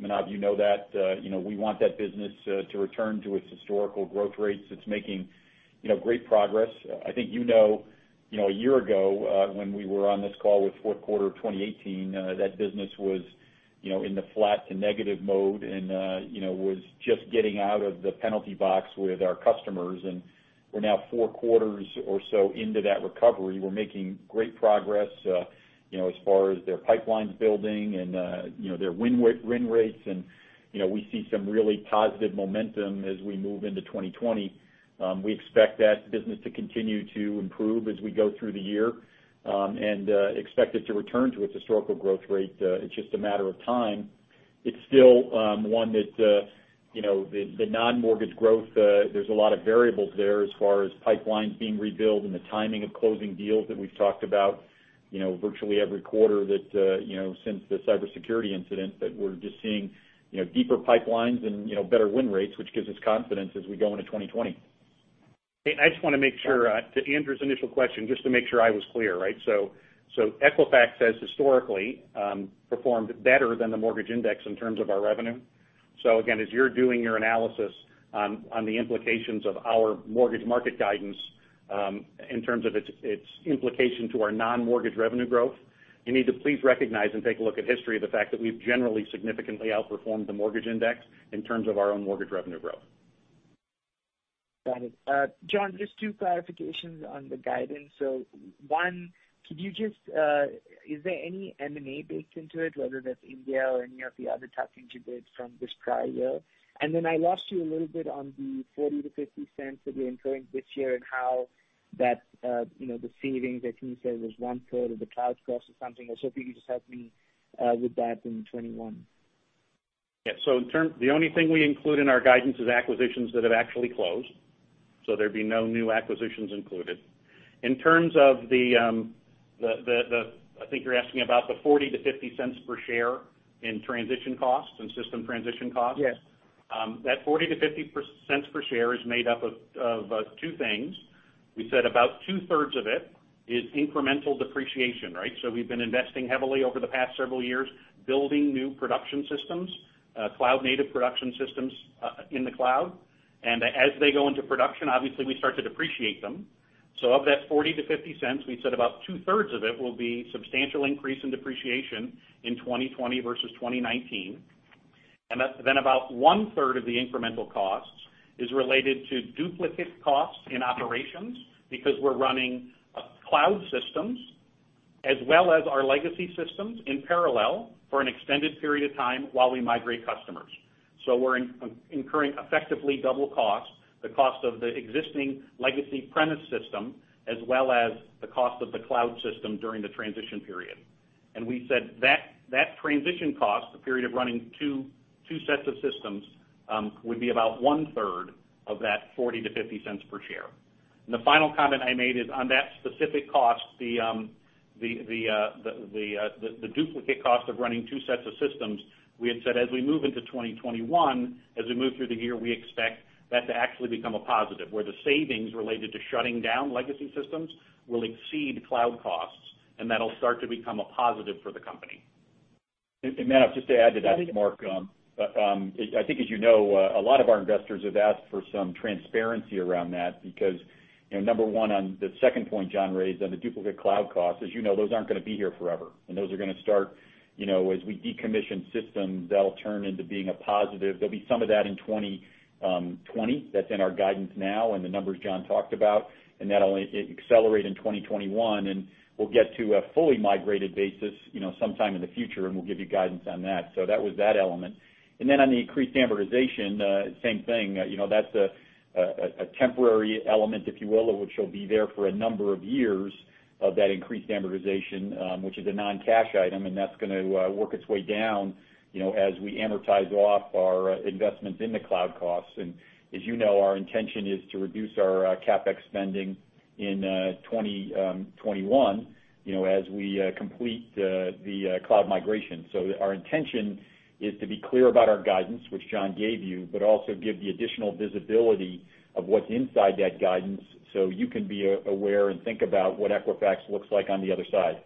Manav, you know that. We want that business to return to its historical growth rates. It's making great progress. I think you know a year ago, when we were on this call with fourth quarter of 2018, that business was in the flat to negative mode and was just getting out of the penalty box with our customers. We're now four quarters or so into that recovery. We're making great progress as far as their pipelines building and their win rates, and we see some really positive momentum as we move into 2020. We expect that business to continue to improve as we go through the year, and expect it to return to its historical growth rate. It's just a matter of time. It's still one that the non-mortgage growth, there's a lot of variables there as far as pipelines being rebuilt and the timing of closing deals that we've talked about virtually every quarter since the cybersecurity incident. We're just seeing deeper pipelines and better win rates, which gives us confidence as we go into 2020. I just want to make sure to Andrew's initial question, just to make sure I was clear. Equifax has historically performed better than the mortgage index in terms of our revenue. Again, as you're doing your analysis on the implications of our mortgage market guidance in terms of its implication to our non-mortgage revenue growth, you need to please recognize and take a look at history of the fact that we've generally significantly outperformed the mortgage index in terms of our own mortgage revenue growth. Got it. John, just two clarifications on the guidance. One, is there any M&A baked into it, whether that's India or any of the other touch points you did from this prior year? Then I lost you a little bit on the $0.40 to $0.50 that you're incurring this year and how the savings, I think you said it was one-third of the cloud cost or something, or so if you could just help me with that in 2021. Yeah. The only thing we include in our guidance is acquisitions that have actually closed. There'd be no new acquisitions included. In terms of the, I think you're asking about the $0.40-$0.50 per share in transition costs, in system transition costs. Yes. That $0.40-$0.50 per share is made up of two things. We said about two-thirds of it is incremental depreciation. We've been investing heavily over the past several years building new production systems, cloud native production systems in the cloud. As they go into production, obviously we start to depreciate them. Of that $0.40-$0.50, we said about two-thirds of it will be substantial increase in depreciation in 2020 versus 2019. Then about one-third of the incremental costs is related to duplicate costs in operations because we're running cloud systems as well as our legacy systems in parallel for an extended period of time while we migrate customers. We're incurring effectively double cost, the cost of the existing legacy premise system, as well as the cost of the cloud system during the transition period. We said that transition cost, the period of running two sets of systems, would be about one-third of that $0.40-$0.50 per share. The final comment I made is on that specific cost, the duplicate cost of running two sets of systems, we had said as we move into 2021, as we move through the year, we expect that to actually become a positive where the savings related to shutting down legacy systems will exceed cloud costs, and that'll start to become a positive for the company. Manav, just to add to that, Mark. I think as you know, a lot of our investors have asked for some transparency around that because number one, on the second point John raised on the duplicate cloud costs, as you know, those aren't going to be here forever, and those are going to start as we decommission systems, that'll turn into being a positive. There'll be some of that in 2020. That's in our guidance now and the numbers John talked about, and that'll accelerate in 2021, and we'll get to a fully migrated basis sometime in the future, and we'll give you guidance on that. That was that element. Then on the increased amortization same thing. That's a temporary element, if you will, which will be there for a number of years of that increased amortization, which is a non-cash item, and that's going to work its way down as we amortize off our investments in the cloud costs. As you know, our intention is to reduce our CapEx spending in 2021 as we complete the cloud migration. Our intention is to be clear about our guidance, which John gave you, but also give the additional visibility of what's inside that guidance so you can be aware and think about what Equifax looks like on the other side.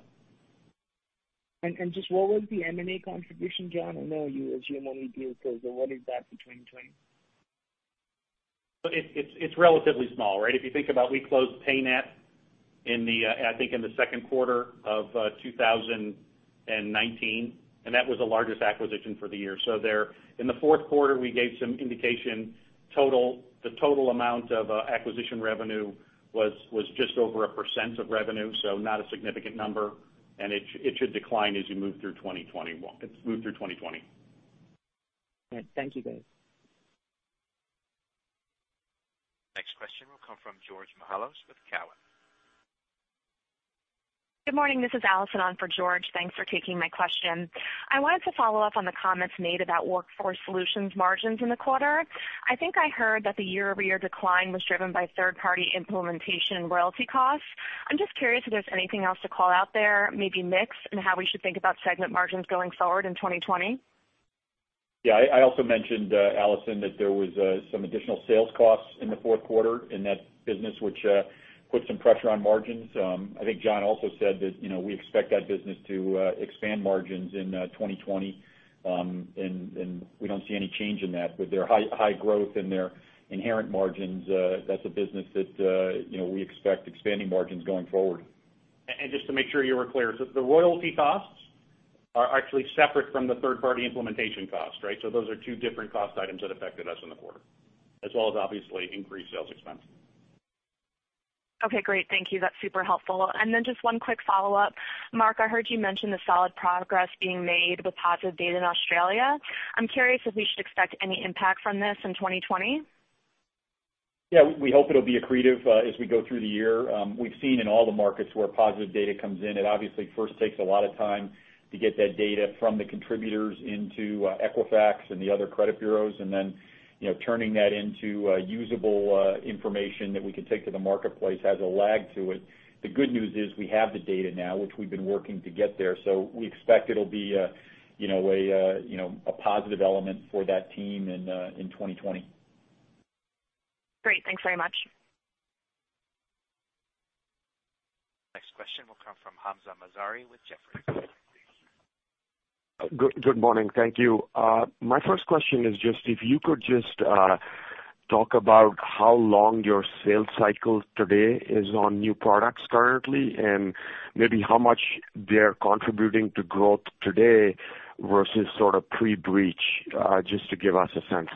Just what was the M&A contribution, John? I know you assume only deal closed, but what is that for 2020? It's relatively small. If you think about we closed PayNet I think in the second quarter of 2019, that was the largest acquisition for the year. In the fourth quarter, we gave some indication the total amount of acquisition revenue was just over 1% of revenue, not a significant number, and it should decline as you move through 2020. All right. Thank you, guys. Next question will come from Georgios Mihalos with Cowen. Good morning. This is Allison on for George. Thanks for taking my question. I wanted to follow up on the comments made about Workforce Solutions margins in the quarter. I think I heard that the year-over-year decline was driven by third-party implementation and royalty costs. I'm just curious if there's anything else to call out there, maybe mix and how we should think about segment margins going forward in 2020? Yeah. I also mentioned, Allison, that there was some additional sales costs in the fourth quarter in that business, which put some pressure on margins. I think John also said that we expect that business to expand margins in 2020, and we don't see any change in that. With their high growth and their inherent margins, that's a business that we expect expanding margins going forward. Just to make sure you were clear, the royalty costs are actually separate from the third-party implementation cost, right? Those are two different cost items that affected us in the quarter, as well as obviously increased sales expense. Just one quick follow-up. Mark, I heard you mention the solid progress being made with positive data in Australia. I'm curious if we should expect any impact from this in 2020. We hope it'll be accretive as we go through the year. We've seen in all the markets where positive data comes in, it obviously first takes a lot of time to get that data from the contributors into Equifax and the other credit bureaus. Turning that into usable information that we can take to the marketplace has a lag to it. The good news is we have the data now, which we've been working to get there. We expect it'll be a positive element for that team in 2020. Great. Thanks very much. Next question will come from Hamza Mazari with Jefferies. Good morning. Thank you. My first question is just if you could just talk about how long your sales cycle today is on new products currently, and maybe how much they're contributing to growth today versus sort of pre-breach, just to give us a sense.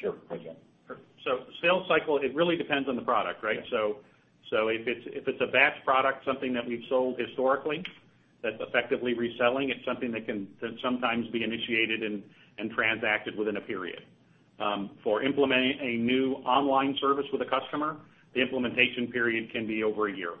Sure. Go ahead, John. Sales cycle, it really depends on the product, right? If it's a batch product, something that we've sold historically that's effectively reselling, it's something that can sometimes be initiated and transacted within a period. For implementing a new online service with a customer, the implementation period can be over a year,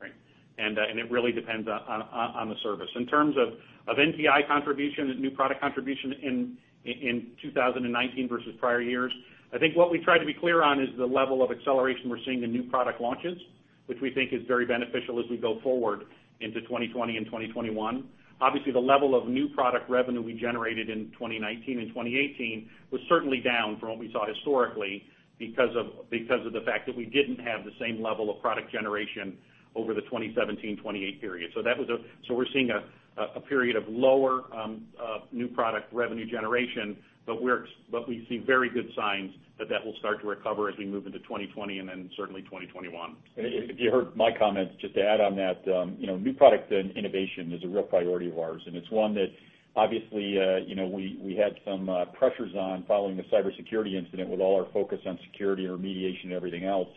right? It really depends on the service. In terms of NPI contribution, new product contribution in 2019 versus prior years, I think what we try to be clear on is the level of acceleration we're seeing in new product launches, which we think is very beneficial as we go forward into 2020 and 2021. Obviously, the level of new product revenue we generated in 2019 and 2018 was certainly down from what we saw historically because of the fact that we didn't have the same level of product generation over the 2017, 2018 period. We're seeing a period of lower new product revenue generation, but we see very good signs that that will start to recover as we move into 2020 and then certainly 2021. If you heard my comments, just to add on that, new product and innovation is a real priority of ours, and it's one that obviously we had some pressures on following the cybersecurity incident with all our focus on security and remediation and everything else.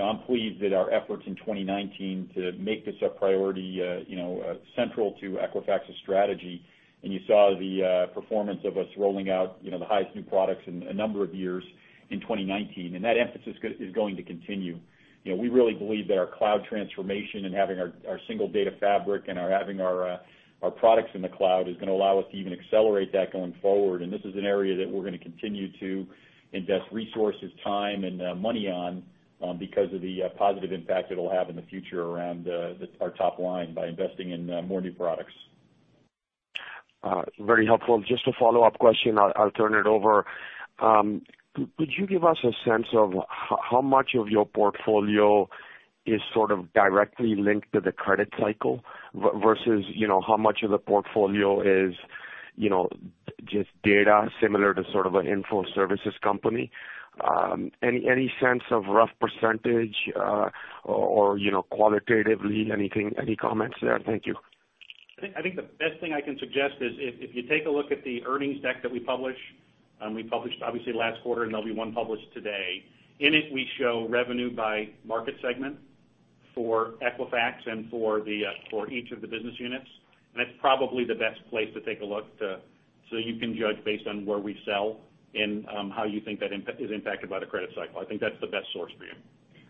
I'm pleased that our efforts in 2019 to make this a priority, central to Equifax's strategy, and you saw the performance of us rolling out the highest new products in a number of years in 2019. That emphasis is going to continue. We really believe that our cloud transformation and having our single data fabric and our having our products in the cloud is going to allow us to even accelerate that going forward. This is an area that we're going to continue to invest resources, time, and money on because of the positive impact it'll have in the future around our top line by investing in more new products. Very helpful. Just a follow-up question. I'll turn it over. Could you give us a sense of how much of your portfolio is sort of directly linked to the credit cycle versus how much of the portfolio is just data similar to sort of an info services company? Any sense of rough percentage or qualitatively anything, any comments there? Thank you. I think the best thing I can suggest is if you take a look at the earnings deck that we publish, we published obviously last quarter, and there'll be one published today. In it, we show revenue by market segment for Equifax and for each of the business units. That's probably the best place to take a look to so you can judge based on where we sell and how you think that is impacted by the credit cycle. I think that's the best source for you.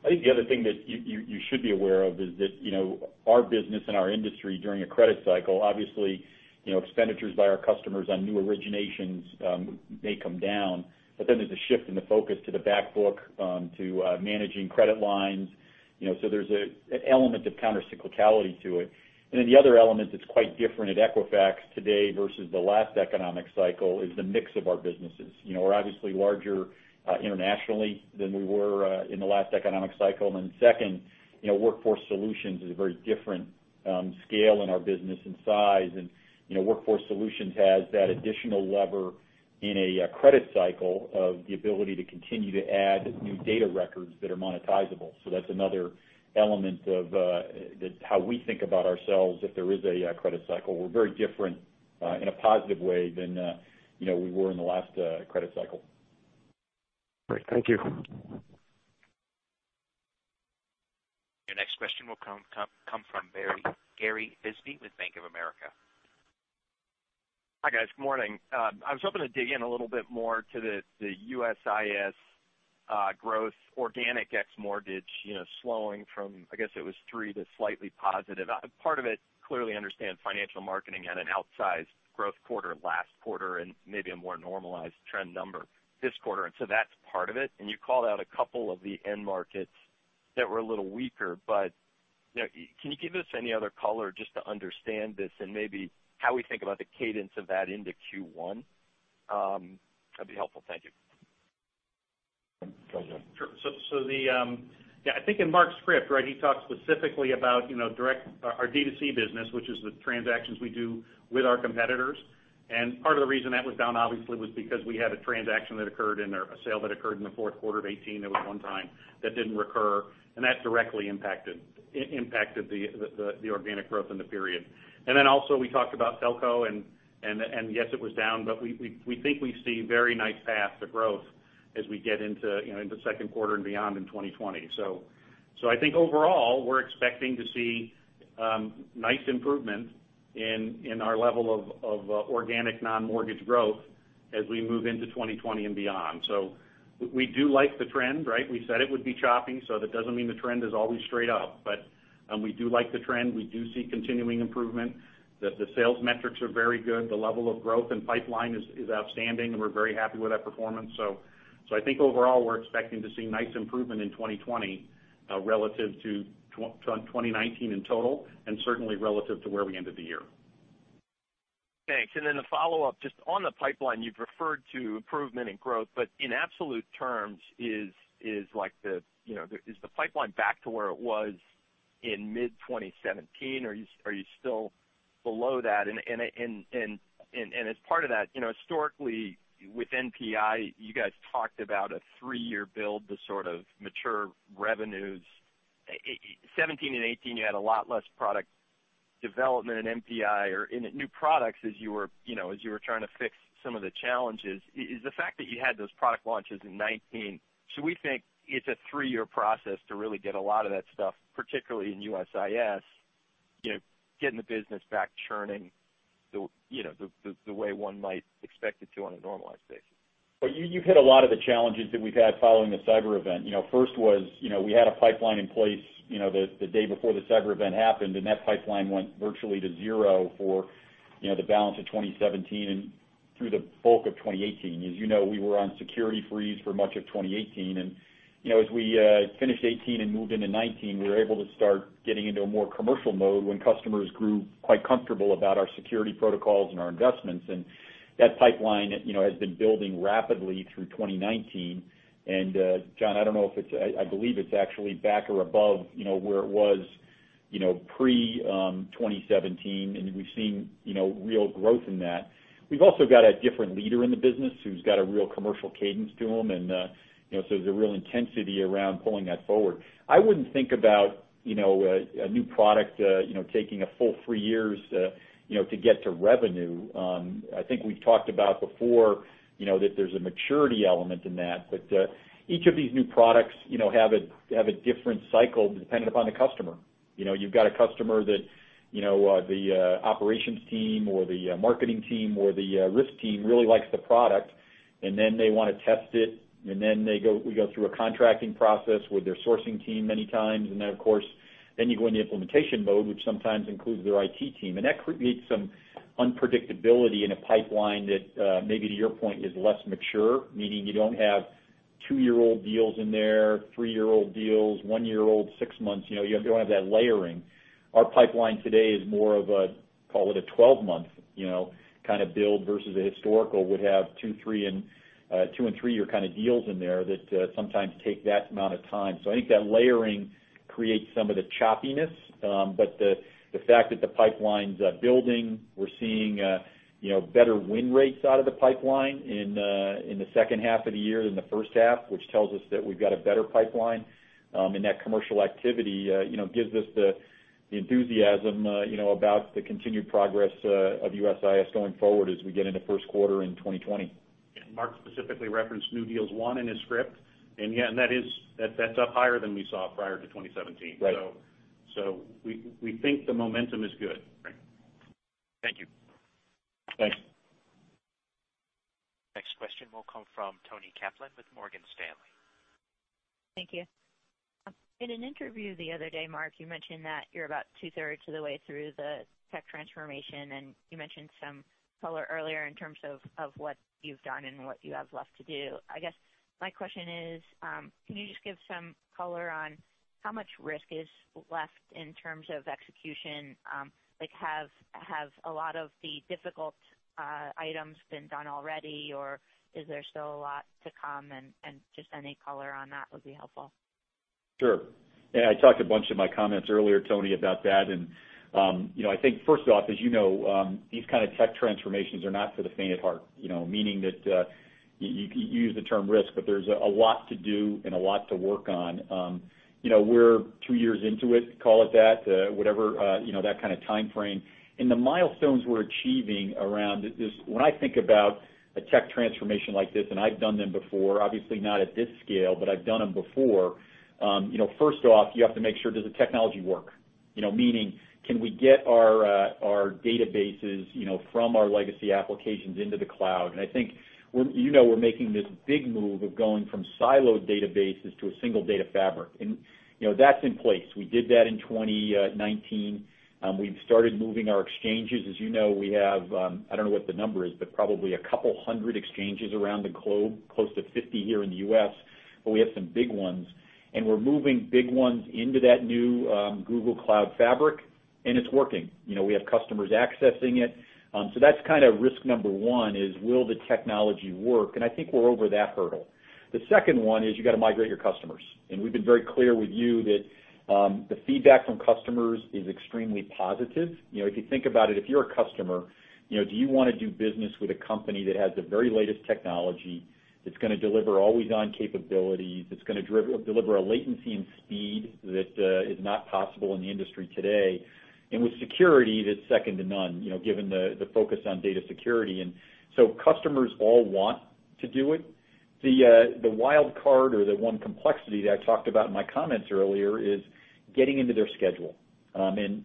I think the other thing that you should be aware of is that our business and our industry during a credit cycle, obviously, expenditures by our customers on new originations may come down. There's a shift in the focus to the back book, to managing credit lines. There's an element of counter cyclicality to it. The other element that's quite different at Equifax today versus the last economic cycle is the mix of our businesses. We're obviously larger internationally than we were in the last economic cycle. Second, Workforce Solutions is a very different scale in our business and size. Workforce Solutions has that additional lever in a credit cycle of the ability to continue to add new data records that are monetizable. That's another element of how we think about ourselves if there is a credit cycle. We're very different in a positive way than we were in the last credit cycle. Great. Thank you. Your next question will come from Gary Bisbee with Bank of America. Hi, guys. Morning. I was hoping to dig in a little bit more to the USIS growth organic ex-mortgage slowing from, I guess it was 3% to slightly positive. Part of it clearly understand Financial Marketing Services had an outsized growth quarter last quarter and maybe a more normalized trend number this quarter. That's part of it. You called out a couple of the end markets that were a little weaker. Can you give us any other color just to understand this and maybe how we think about the cadence of that into Q1? That'd be helpful. Thank you. Sure. I think in Mark's script, he talked specifically about our D2C business, which is the transactions we do with our competitors. Part of the reason that was down, obviously, was because we had a sale that occurred in the fourth quarter of 2018 that was one time that didn't recur, and that directly impacted the organic growth in the period. We talked about telco and yes, it was down, but we think we see very nice path to growth as we get into the second quarter and beyond in 2020. I think overall, we're expecting to see nice improvement in our level of organic non-mortgage growth as we move into 2020 and beyond. We do like the trend. We said it would be choppy, that doesn't mean the trend is always straight up. We do like the trend. We do see continuing improvement. The sales metrics are very good. The level of growth and pipeline is outstanding, and we're very happy with that performance. I think overall, we're expecting to see nice improvement in 2020 relative to 2019 in total, and certainly relative to where we ended the year. Thanks. The follow-up, just on the pipeline, you've referred to improvement in growth, but in absolute terms, is the pipeline back to where it was in mid-2017 or are you still below that? As part of that, historically with NPI, you guys talked about a three-year build to sort of mature revenues. 2017 and 2018, you had a lot less product development in NPI or in new products as you were trying to fix some of the challenges. Is the fact that you had those product launches in 2019, should we think it's a three-year process to really get a lot of that stuff, particularly in USIS, getting the business back churning the way one might expect it to on a normalized basis? Well, you've hit a lot of the challenges that we've had following the cyber event. First was, we had a pipeline in place the day before the cyber event happened, and that pipeline went virtually to zero for the balance of 2017 and through the bulk of 2018. As you know, we were on security freeze for much of 2018. As we finished 2018 and moved into 2019, we were able to start getting into a more commercial mode when customers grew quite comfortable about our security protocols and our investments. That pipeline has been building rapidly through 2019. John, I believe it's actually back or above where it was pre-2017, and we've seen real growth in that. We've also got a different leader in the business who's got a real commercial cadence to him, so there's a real intensity around pulling that forward. I wouldn't think about a new product taking a full three years to get to revenue. I think we've talked about before, that there's a maturity element in that. Each of these new products have a different cycle dependent upon the customer. You've got a customer that the operations team or the marketing team or the risk team really likes the product, then they want to test it, then we go through a contracting process with their sourcing team many times. Then, of course, then you go into implementation mode, which sometimes includes their IT team. That creates some unpredictability in a pipeline that, maybe to your point, is less mature, meaning you don't have two-year-old deals in there, three-year-old deals, one-year-old, six months. You don't have that layering. Our pipeline today is more of a, call it a 12-month kind of build versus a historical would have two and three-year kind of deals in there that sometimes take that amount of time. I think that layering creates some of the choppiness. The fact that the pipeline's building, we're seeing better win rates out of the pipeline in the second half of the year than the first half, which tells us that we've got a better pipeline. That commercial activity gives us the enthusiasm about the continued progress of USIS going forward as we get into first quarter in 2020. Mark specifically referenced New Deals one in his script. Yeah, that's up higher than we saw prior to 2017. Right. We think the momentum is good. Great. Thank you. Thanks. Next question will come from Toni Kaplan with Morgan Stanley. Thank you. In an interview the other day, Mark, you mentioned that you're about two-thirds of the way through the tech transformation, you mentioned some color earlier in terms of what you've done and what you have left to do. I guess my question is, can you just give some color on how much risk is left in terms of execution? Like have a lot of the difficult items been done already, or is there still a lot to come? Just any color on that would be helpful. Sure. Yeah, I talked a bunch in my comments earlier, Toni, about that. I think first off, as you know, these kind of tech transformations are not for the faint of heart. Meaning that, you use the term risk, there's a lot to do and a lot to work on. We're two years into it, call it that, whatever that kind of timeframe. The milestones we're achieving around this, when I think about a tech transformation like this, I've done them before, obviously not at this scale, but I've done them before. First off, you have to make sure, does the technology work? Meaning, can we get our databases from our legacy applications into the cloud? I think you know we're making this big move of going from siloed databases to a single data fabric. That's in place. We did that in 2019. We've started moving our exchanges. As you know, we have, I don't know what the number is, but probably a couple hundred exchanges around the globe, close to 50 here in the U.S. We have some big ones. We're moving big ones into that new Google Cloud fabric. It's working. We have customers accessing it. That's kind of risk number 1 is will the technology work? I think we're over that hurdle. The second 1 is you got to migrate your customers. We've been very clear with you that the feedback from customers is extremely positive. If you think about it, if you're a customer, do you want to do business with a company that has the very latest technology, that's going to deliver always-on capabilities, that's going to deliver a latency and speed that is not possible in the industry today, and with security that's second to none given the focus on data security. Customers all want to do it. The wild card or the one complexity that I talked about in my comments earlier is getting into their schedule.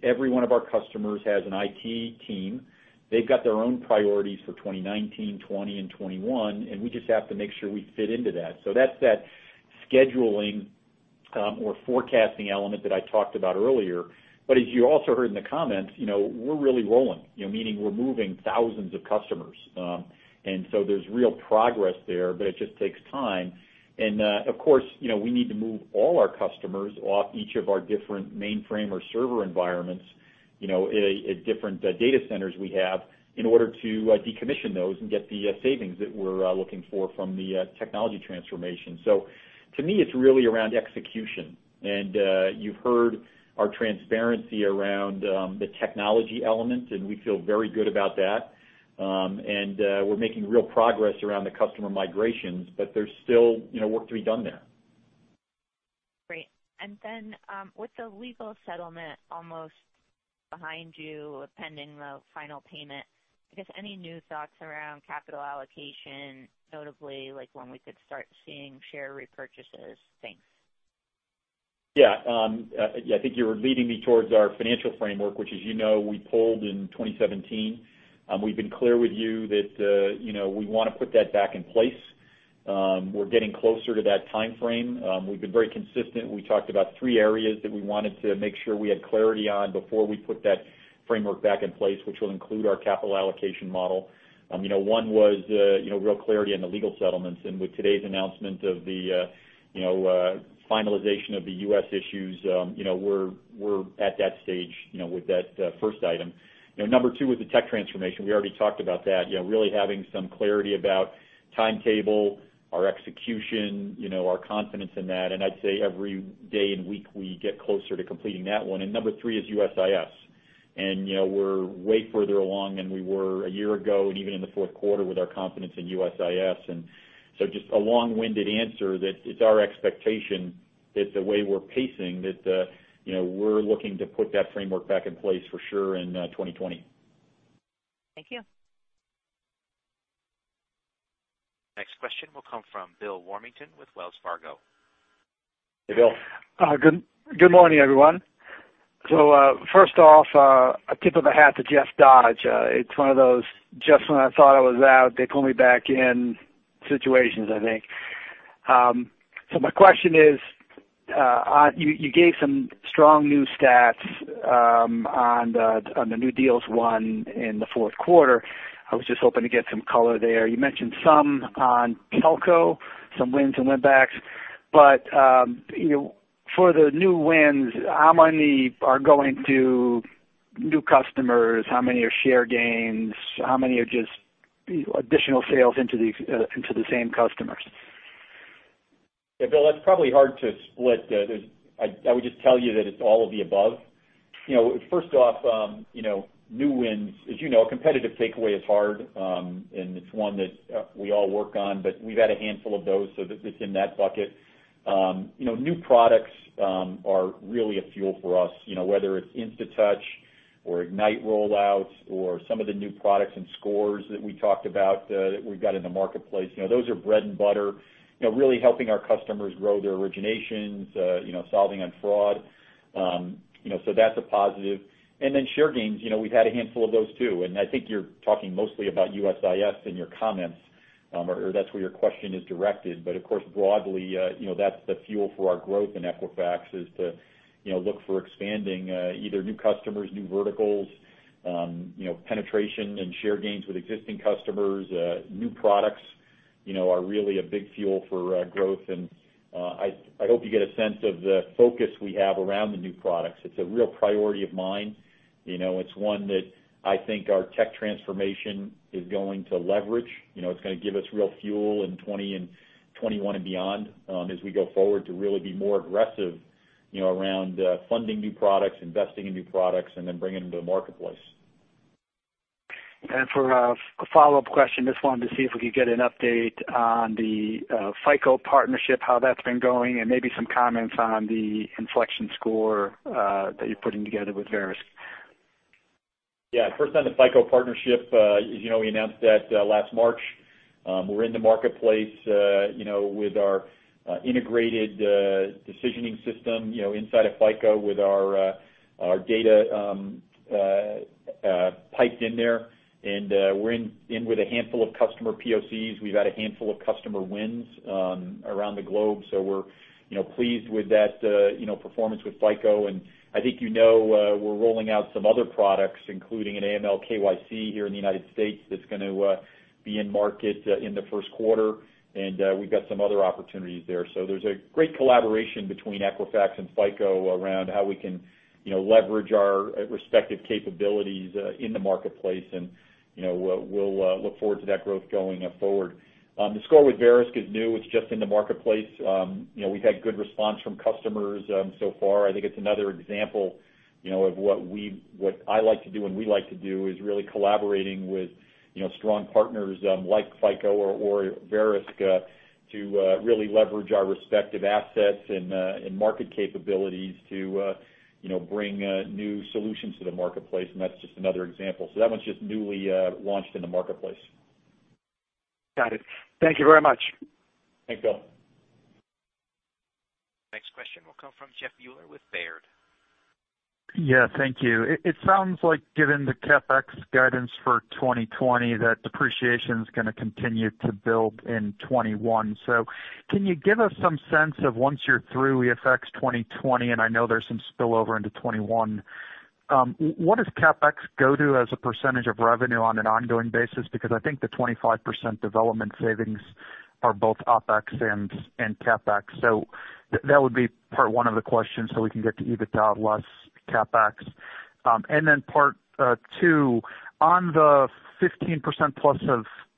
Every one of our customers has an IT team. They've got their own priorities for 2019, 2020, and 2021. We just have to make sure we fit into that. That's scheduling or forecasting element that I talked about earlier. As you also heard in the comments, we're really rolling, meaning we're moving thousands of customers. There's real progress there, but it just takes time. Of course, we need to move all our customers off each of our different mainframe or server environments at different data centers we have in order to decommission those and get the savings that we're looking for from the technology transformation. To me, it's really around execution. You've heard our transparency around the technology elements, and we feel very good about that. We're making real progress around the customer migrations, but there's still work to be done there. Great. With the legal settlement almost behind you, pending the final payment, I guess any new thoughts around capital allocation, notably, like when we could start seeing share repurchases? Thanks. Yeah. I think you were leading me towards our financial framework, which as you know, we pulled in 2017. We've been clear with you that we want to put that back in place. We're getting closer to that timeframe. We've been very consistent. We talked about three areas that we wanted to make sure we had clarity on before we put that framework back in place, which will include our capital allocation model. One was real clarity on the legal settlements. With today's announcement of the finalization of the U.S. issues, we're at that stage with that first item. Number 2 was the tech transformation. We already talked about that, really having some clarity about timetable, our execution, our confidence in that. I'd say every day and week, we get closer to completing that one. Number 3 is USIS. We're way further along than we were a year ago and even in the fourth quarter with our confidence in USIS. Just a long-winded answer that it's our expectation that the way we're pacing that we're looking to put that framework back in place for sure in 2020. Thank you. Next question will come from Bill Warmington with Wells Fargo. Hey, Bill. Good morning, everyone. First off, a tip of a hat to Jeff Dodge. It's one of those, "Just when I thought I was out, they pull me back in," situations, I think. My question is, you gave some strong new stats on the new deals won in the fourth quarter. I was just hoping to get some color there. You mentioned some on telco, some wins and win backs. For the new wins, how many are going to new customers? How many are share gains? How many are just additional sales into the same customers? Bill, that's probably hard to split. I would just tell you that it's all of the above. First off, new wins, as you know, a competitive takeaway is hard, and it's one that we all work on, but we've had a handful of those, so it's in that bucket. New products are really a fuel for us, whether it's InstaTouch or Ignite rollouts or some of the new products and scores that we talked about that we've got in the marketplace. Those are bread and butter, really helping our customers grow their originations, solving on fraud. That's a positive. Then share gains, we've had a handful of those, too. I think you're talking mostly about USIS in your comments, or that's where your question is directed. Of course, broadly, that's the fuel for our growth in Equifax is to look for expanding either new customers, new verticals, penetration and share gains with existing customers. New products are really a big fuel for growth, and I hope you get a sense of the focus we have around the new products. It's a real priority of mine. It's one that I think our tech transformation is going to leverage. It's going to give us real fuel in 2020 and 2021 and beyond as we go forward to really be more aggressive around funding new products, investing in new products, then bringing them to the marketplace. For a follow-up question, just wanted to see if we could get an update on the FICO partnership, how that's been going, and maybe some comments on the Inflection Score that you're putting together with Verisk. Yeah. First on the FICO partnership, as you know, we announced that last March. We're in the marketplace with our integrated decisioning system inside of FICO with our data piped in there. We're in with a handful of customer POCs. We've had a handful of customer wins around the globe, so we're pleased with that performance with FICO. I think you know we're rolling out some other products, including an AML/KYC here in the United States that's going to be in market in the first quarter. We've got some other opportunities there. There's a great collaboration between Equifax and FICO around how we can leverage our respective capabilities in the marketplace, and we'll look forward to that growth going forward. The score with Verisk is new. It's just in the marketplace. We've had good response from customers so far. I think it's another example of what I like to do and we like to do, is really collaborating with strong partners like FICO or Verisk to really leverage our respective assets and market capabilities to bring new solutions to the marketplace, and that's just another example. That one's just newly launched in the marketplace. Got it. Thank you very much. Thanks, Bill. Next question will come from Jeff Meuler with Baird. Yeah, thank you. It sounds like given the CapEx guidance for 2020, that depreciation's going to continue to build in 2021. Can you give us some sense of once you're through EFX 2020, and I know there's some spillover into 2021, what does CapEx go to as a percentage of revenue on an ongoing basis? Because I think the 25% development savings are both OpEx and CapEx. That would be part one of the question so we can get to EBITDA less CapEx. Then part two, on the 15% plus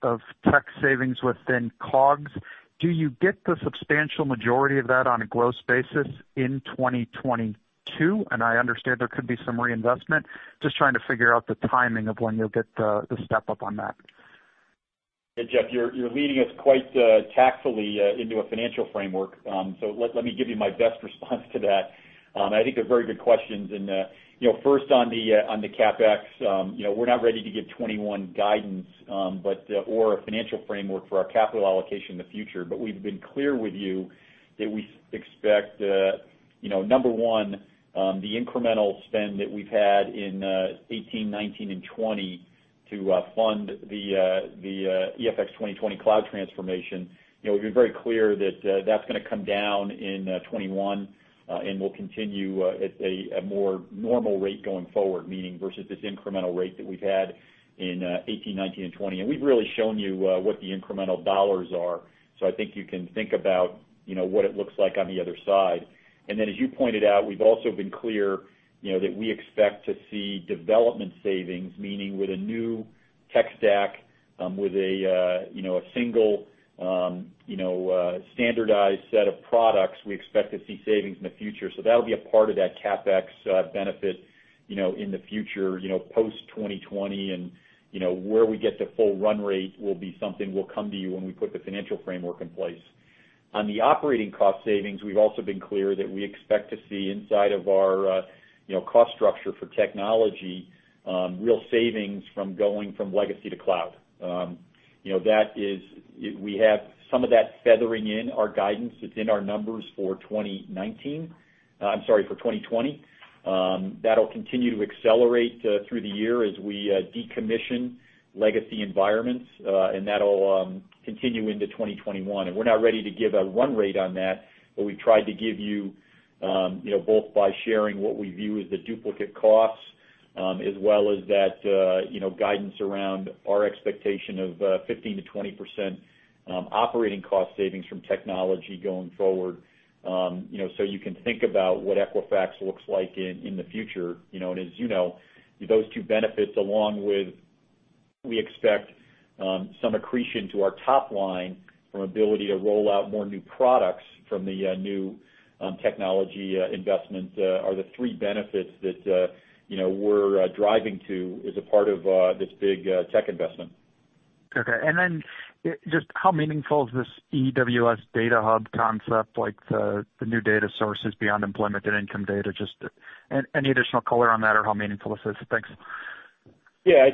of tech savings within COGS, do you get the substantial majority of that on a gross basis in 2022? I understand there could be some reinvestment. Just trying to figure out the timing of when you'll get the step-up on that. Hey, Jeff, you're leading us quite taxfully into a financial framework. Let me give you my best response to that. I think they're very good questions. First on the CapEx, we're not ready to give 2021 guidance or a financial framework for our capital allocation in the future. We've been clear with you that we expect, number 1, the incremental spend that we've had in 2018, 2019, and 2020 to fund the EFX 2020 cloud transformation. We've been very clear that's going to come down in 2021, we'll continue at a more normal rate going forward, meaning versus this incremental rate that we've had in 2018, 2019, and 2020. We've really shown you what the incremental dollars are. I think you can think about what it looks like on the other side. As you pointed out, we've also been clear that we expect to see development savings, meaning with a new tech stack, with a single standardized set of products, we expect to see savings in the future. That'll be a part of that CapEx benefit in the future post 2020. Where we get to full run rate will be something we'll come to you when we put the financial framework in place. On the operating cost savings, we've also been clear that we expect to see inside of our cost structure for technology real savings from going from legacy to cloud. We have some of that feathering in our guidance. It's in our numbers for 2019, I'm sorry, for 2020. That'll continue to accelerate through the year as we decommission legacy environments. That'll continue into 2021. We're not ready to give a run rate on that, but we tried to give you both by sharing what we view as the duplicate costs, as well as that guidance around our expectation of 15%-20% operating cost savings from technology going forward. You can think about what Equifax looks like in the future. As you know, those two benefits, along with we expect some accretion to our top line from ability to roll out more new products from the new technology investments are the three benefits that we're driving to as a part of this big tech investment. Okay. Just how meaningful is this EWS data hub concept, like the new data sources beyond employment and income data? Just any additional color on that or how meaningful this is? Thanks. Yeah.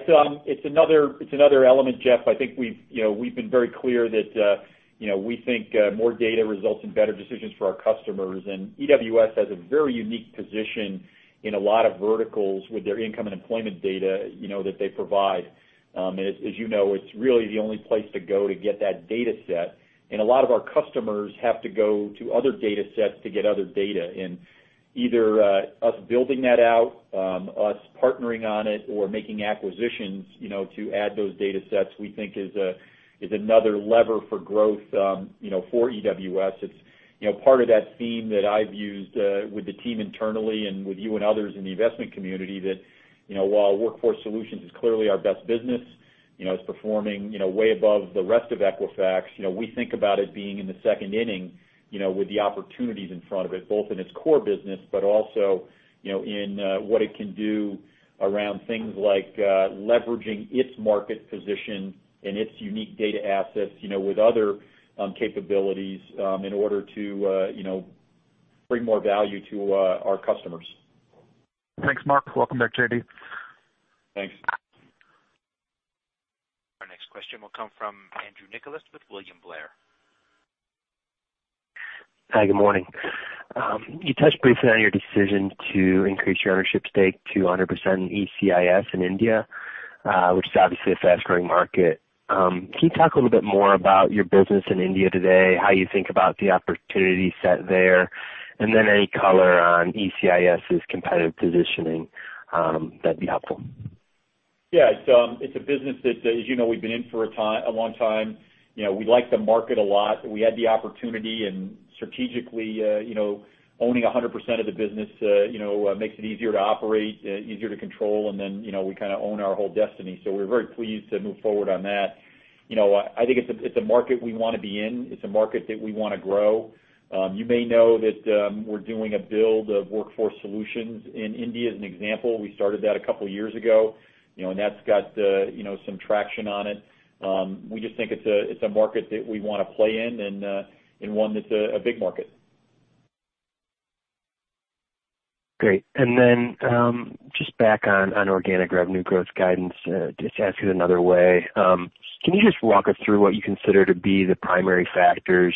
It's another element, Jeff. I think we've been very clear that we think more data results in better decisions for our customers. EWS has a very unique position in a lot of verticals with their income and employment data that they provide. As you know, it's really the only place to go to get that data set. A lot of our customers have to go to other data sets to get other data. Either us building that out, us partnering on it, or making acquisitions to add those data sets, we think is another lever for growth for EWS. It's part of that theme that I've used with the team internally and with you and others in the investment community that while Workforce Solutions is clearly our best business, it's performing way above the rest of Equifax. We think about it being in the second inning with the opportunities in front of it, both in its core business, but also in what it can do around things like leveraging its market position and its unique data assets with other capabilities in order to bring more value to our customers. Thanks, Mark. Welcome back, JD. Thanks. Next question will come from Andrew Nicholas with William Blair. Hi, good morning. You touched briefly on your decision to increase your ownership stake to 100% in ECIS in India, which is obviously a fast-growing market. Can you talk a little bit more about your business in India today, how you think about the opportunity set there, and then any color on ECIS's competitive positioning? That would be helpful. It's a business that, as you know, we've been in for a long time. We like the market a lot. We had the opportunity. Strategically, owning 100% of the business makes it easier to operate, easier to control. Then we kind of own our whole destiny. We're very pleased to move forward on that. I think it's a market we want to be in. It's a market that we want to grow. You may know that we're doing a build of Workforce Solutions in India, as an example. We started that a couple of years ago. That's got some traction on it. We just think it's a market that we want to play in and one that's a big market. Great. Then just back on organic revenue growth guidance, just to ask it another way. Can you just walk us through what you consider to be the primary factors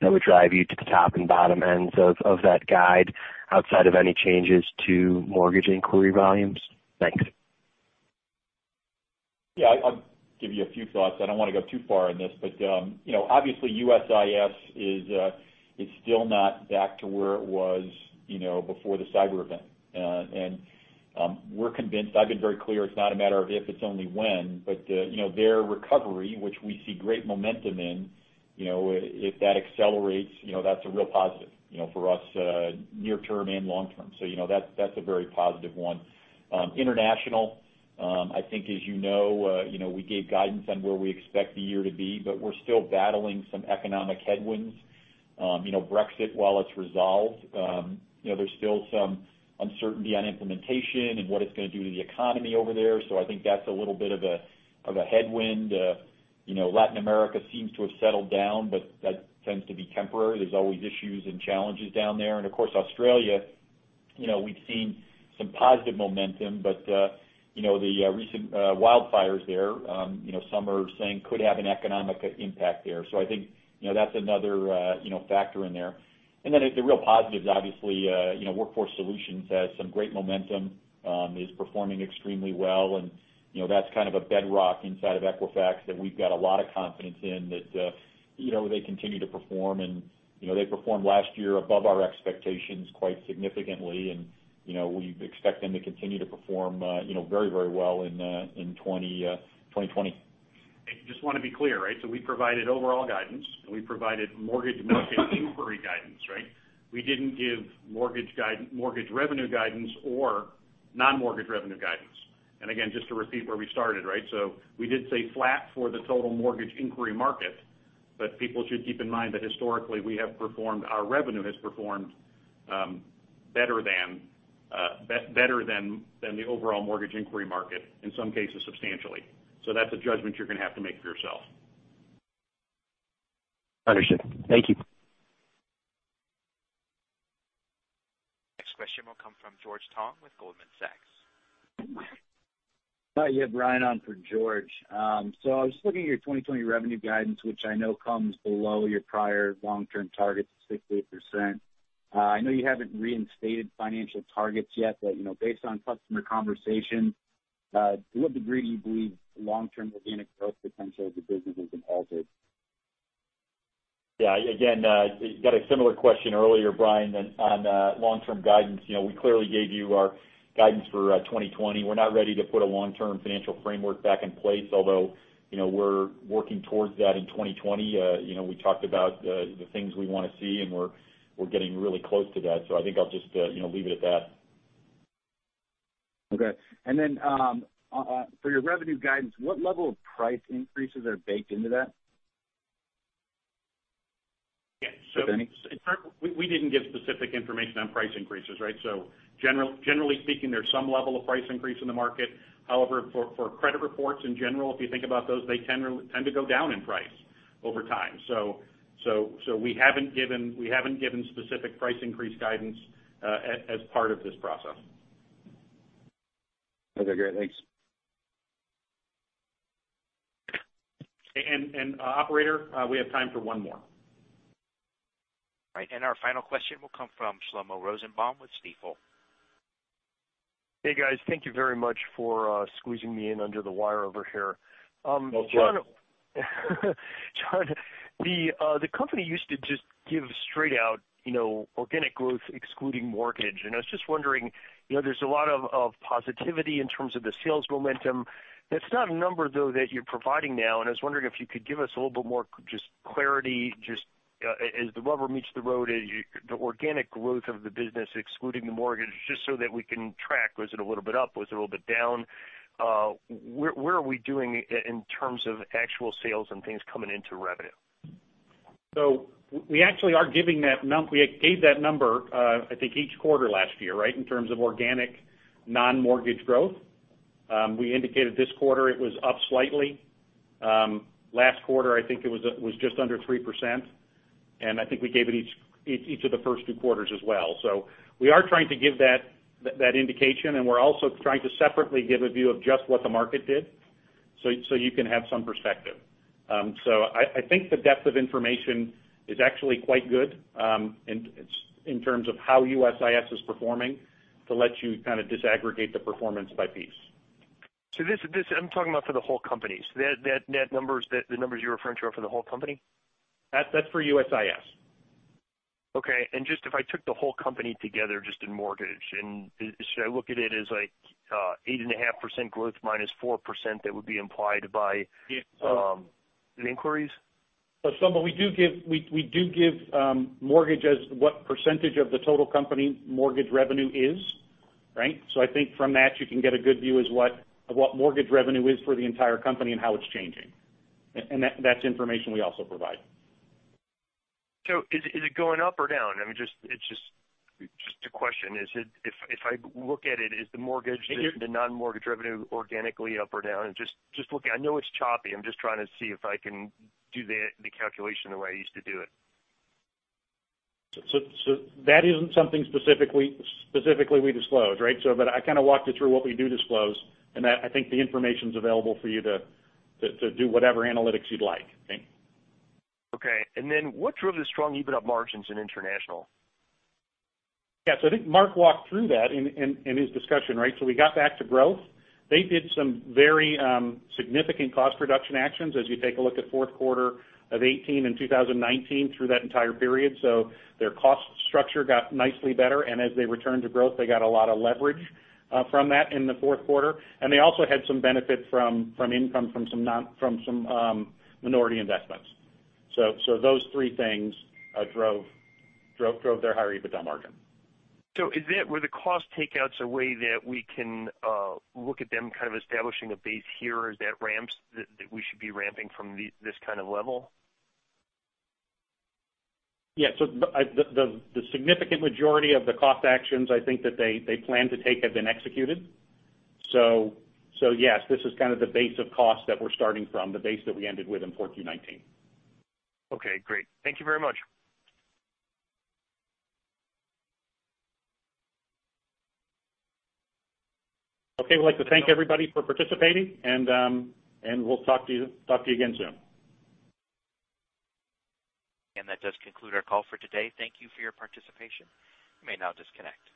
that would drive you to the top and bottom ends of that guide outside of any changes to mortgage inquiry volumes? Thanks. I'll give you a few thoughts. I don't want to go too far on this. Obviously USIS is still not back to where it was before the cyber event. We're convinced, I've been very clear, it's not a matter of if, it's only when. Their recovery, which we see great momentum in, if that accelerates, that's a real positive for us near term and long term. That's a very positive one. International, I think as you know, we gave guidance on where we expect the year to be. We're still battling some economic headwinds. Brexit, while it's resolved, there's still some uncertainty on implementation and what it's going to do to the economy over there. I think that's a little bit of a headwind. Latin America seems to have settled down. That tends to be temporary. There's always issues and challenges down there. Of course, Australia, we've seen some positive momentum. The recent wildfires there some are saying could have an economic impact there. I think that's another factor in there. Then the real positives, obviously, Workforce Solutions has some great momentum, is performing extremely well. That's kind of a bedrock inside of Equifax that we've got a lot of confidence in that they continue to perform. They performed last year above our expectations quite significantly. We expect them to continue to perform very well in 2020. Just want to be clear, right? We provided overall guidance, and we provided mortgage inquiry guidance, right? We didn't give mortgage revenue guidance or non-mortgage revenue guidance. Again, just to repeat where we started, right? We did say flat for the total mortgage inquiry market, but people should keep in mind that historically, our revenue has performed better than the overall mortgage inquiry market, in some cases substantially. That's a judgment you're going to have to make for yourself. Understood. Thank you. Next question will come from George Tong with Goldman Sachs. Yeah. Brian on for George. I was just looking at your 2020 revenue guidance, which I know comes below your prior long-term targets of 68%. I know you haven't reinstated financial targets yet, but based on customer conversations, to what degree do you believe long-term organic growth potential of the business has been altered? Got a similar question earlier, Brian, on long-term guidance. We clearly gave you our guidance for 2020. We're not ready to put a long-term financial framework back in place, although we're working towards that in 2020. We talked about the things we want to see, and we're getting really close to that. I think I'll just leave it at that. Okay. For your revenue guidance, what level of price increases are baked into that? Yeah. If any. We didn't give specific information on price increases, right? Generally speaking, there's some level of price increase in the market. However, for credit reports in general, if you think about those, they tend to go down in price over time. We haven't given specific price increase guidance as part of this process. Okay, great. Thanks. Operator, we have time for one more. All right. Our final question will come from Shlomo Rosenbaum with Stifel. Hey, guys. Thank you very much for squeezing me in under the wire over here. No problem. John, the company used to just give straight out organic growth excluding mortgage, and I was just wondering, there's a lot of positivity in terms of the sales momentum. That's not a number, though, that you're providing now, and I was wondering if you could give us a little bit more just clarity just as the rubber meets the road, the organic growth of the business excluding the mortgage, just so that we can track. Was it a little bit up? Was it a little bit down? Where are we doing in terms of actual sales and things coming into revenue? We actually are giving that amount. We gave that number I think each quarter last year, right, in terms of organic non-mortgage growth. We indicated this quarter it was up slightly. Last quarter, I think it was just under 3%. I think we gave it each of the first two quarters as well. We are trying to give that indication, and we're also trying to separately give a view of just what the market did so you can have some perspective. I think the depth of information is actually quite good in terms of how USIS is performing to let you kind of disaggregate the performance by piece. This, I'm talking about for the whole company. The numbers you're referring to are for the whole company? That's for USIS. Okay. Just if I took the whole company together just in mortgage, should I look at it as like 8.5% growth minus 4% that would be implied by- Yeah. -the inquiries? But we do give mortgage as what percentage of the total company mortgage revenue is, right? I think from that, you can get a good view as what mortgage revenue is for the entire company and how it's changing. That's information we also provide. Is it going up or down? I mean, just a question. If I look at it, is the mortgage- It is- -the non-mortgage revenue organically up or down? I know it's choppy. I'm just trying to see if I can do the calculation the way I used to do it. That isn't something specifically we disclosed, right? But I kind of walked you through what we do disclose, and I think the information's available for you to do whatever analytics you'd like. Okay. Okay. Then what drove the strong EBITDA margins in international? Yeah. I think Mark walked through that in his discussion, right? We got back to growth. They did some very significant cost reduction actions as you take a look at fourth quarter of 2018 and 2019 through that entire period. Their cost structure got nicely better, and as they returned to growth, they got a lot of leverage from that in the fourth quarter. They also had some benefit from income from some minority investments. Those three things drove their higher EBITDA margin. Were the cost takeouts a way that we can look at them kind of establishing a base here that we should be ramping from this kind of level? Yeah. The significant majority of the cost actions I think that they planned to take have been executed. Yes, this is kind of the base of cost that we're starting from, the base that we ended with in 4Q 2019. Okay, great. Thank you very much. We'd like to thank everybody for participating and we'll talk to you again soon. That does conclude our call for today. Thank you for your participation. You may now disconnect.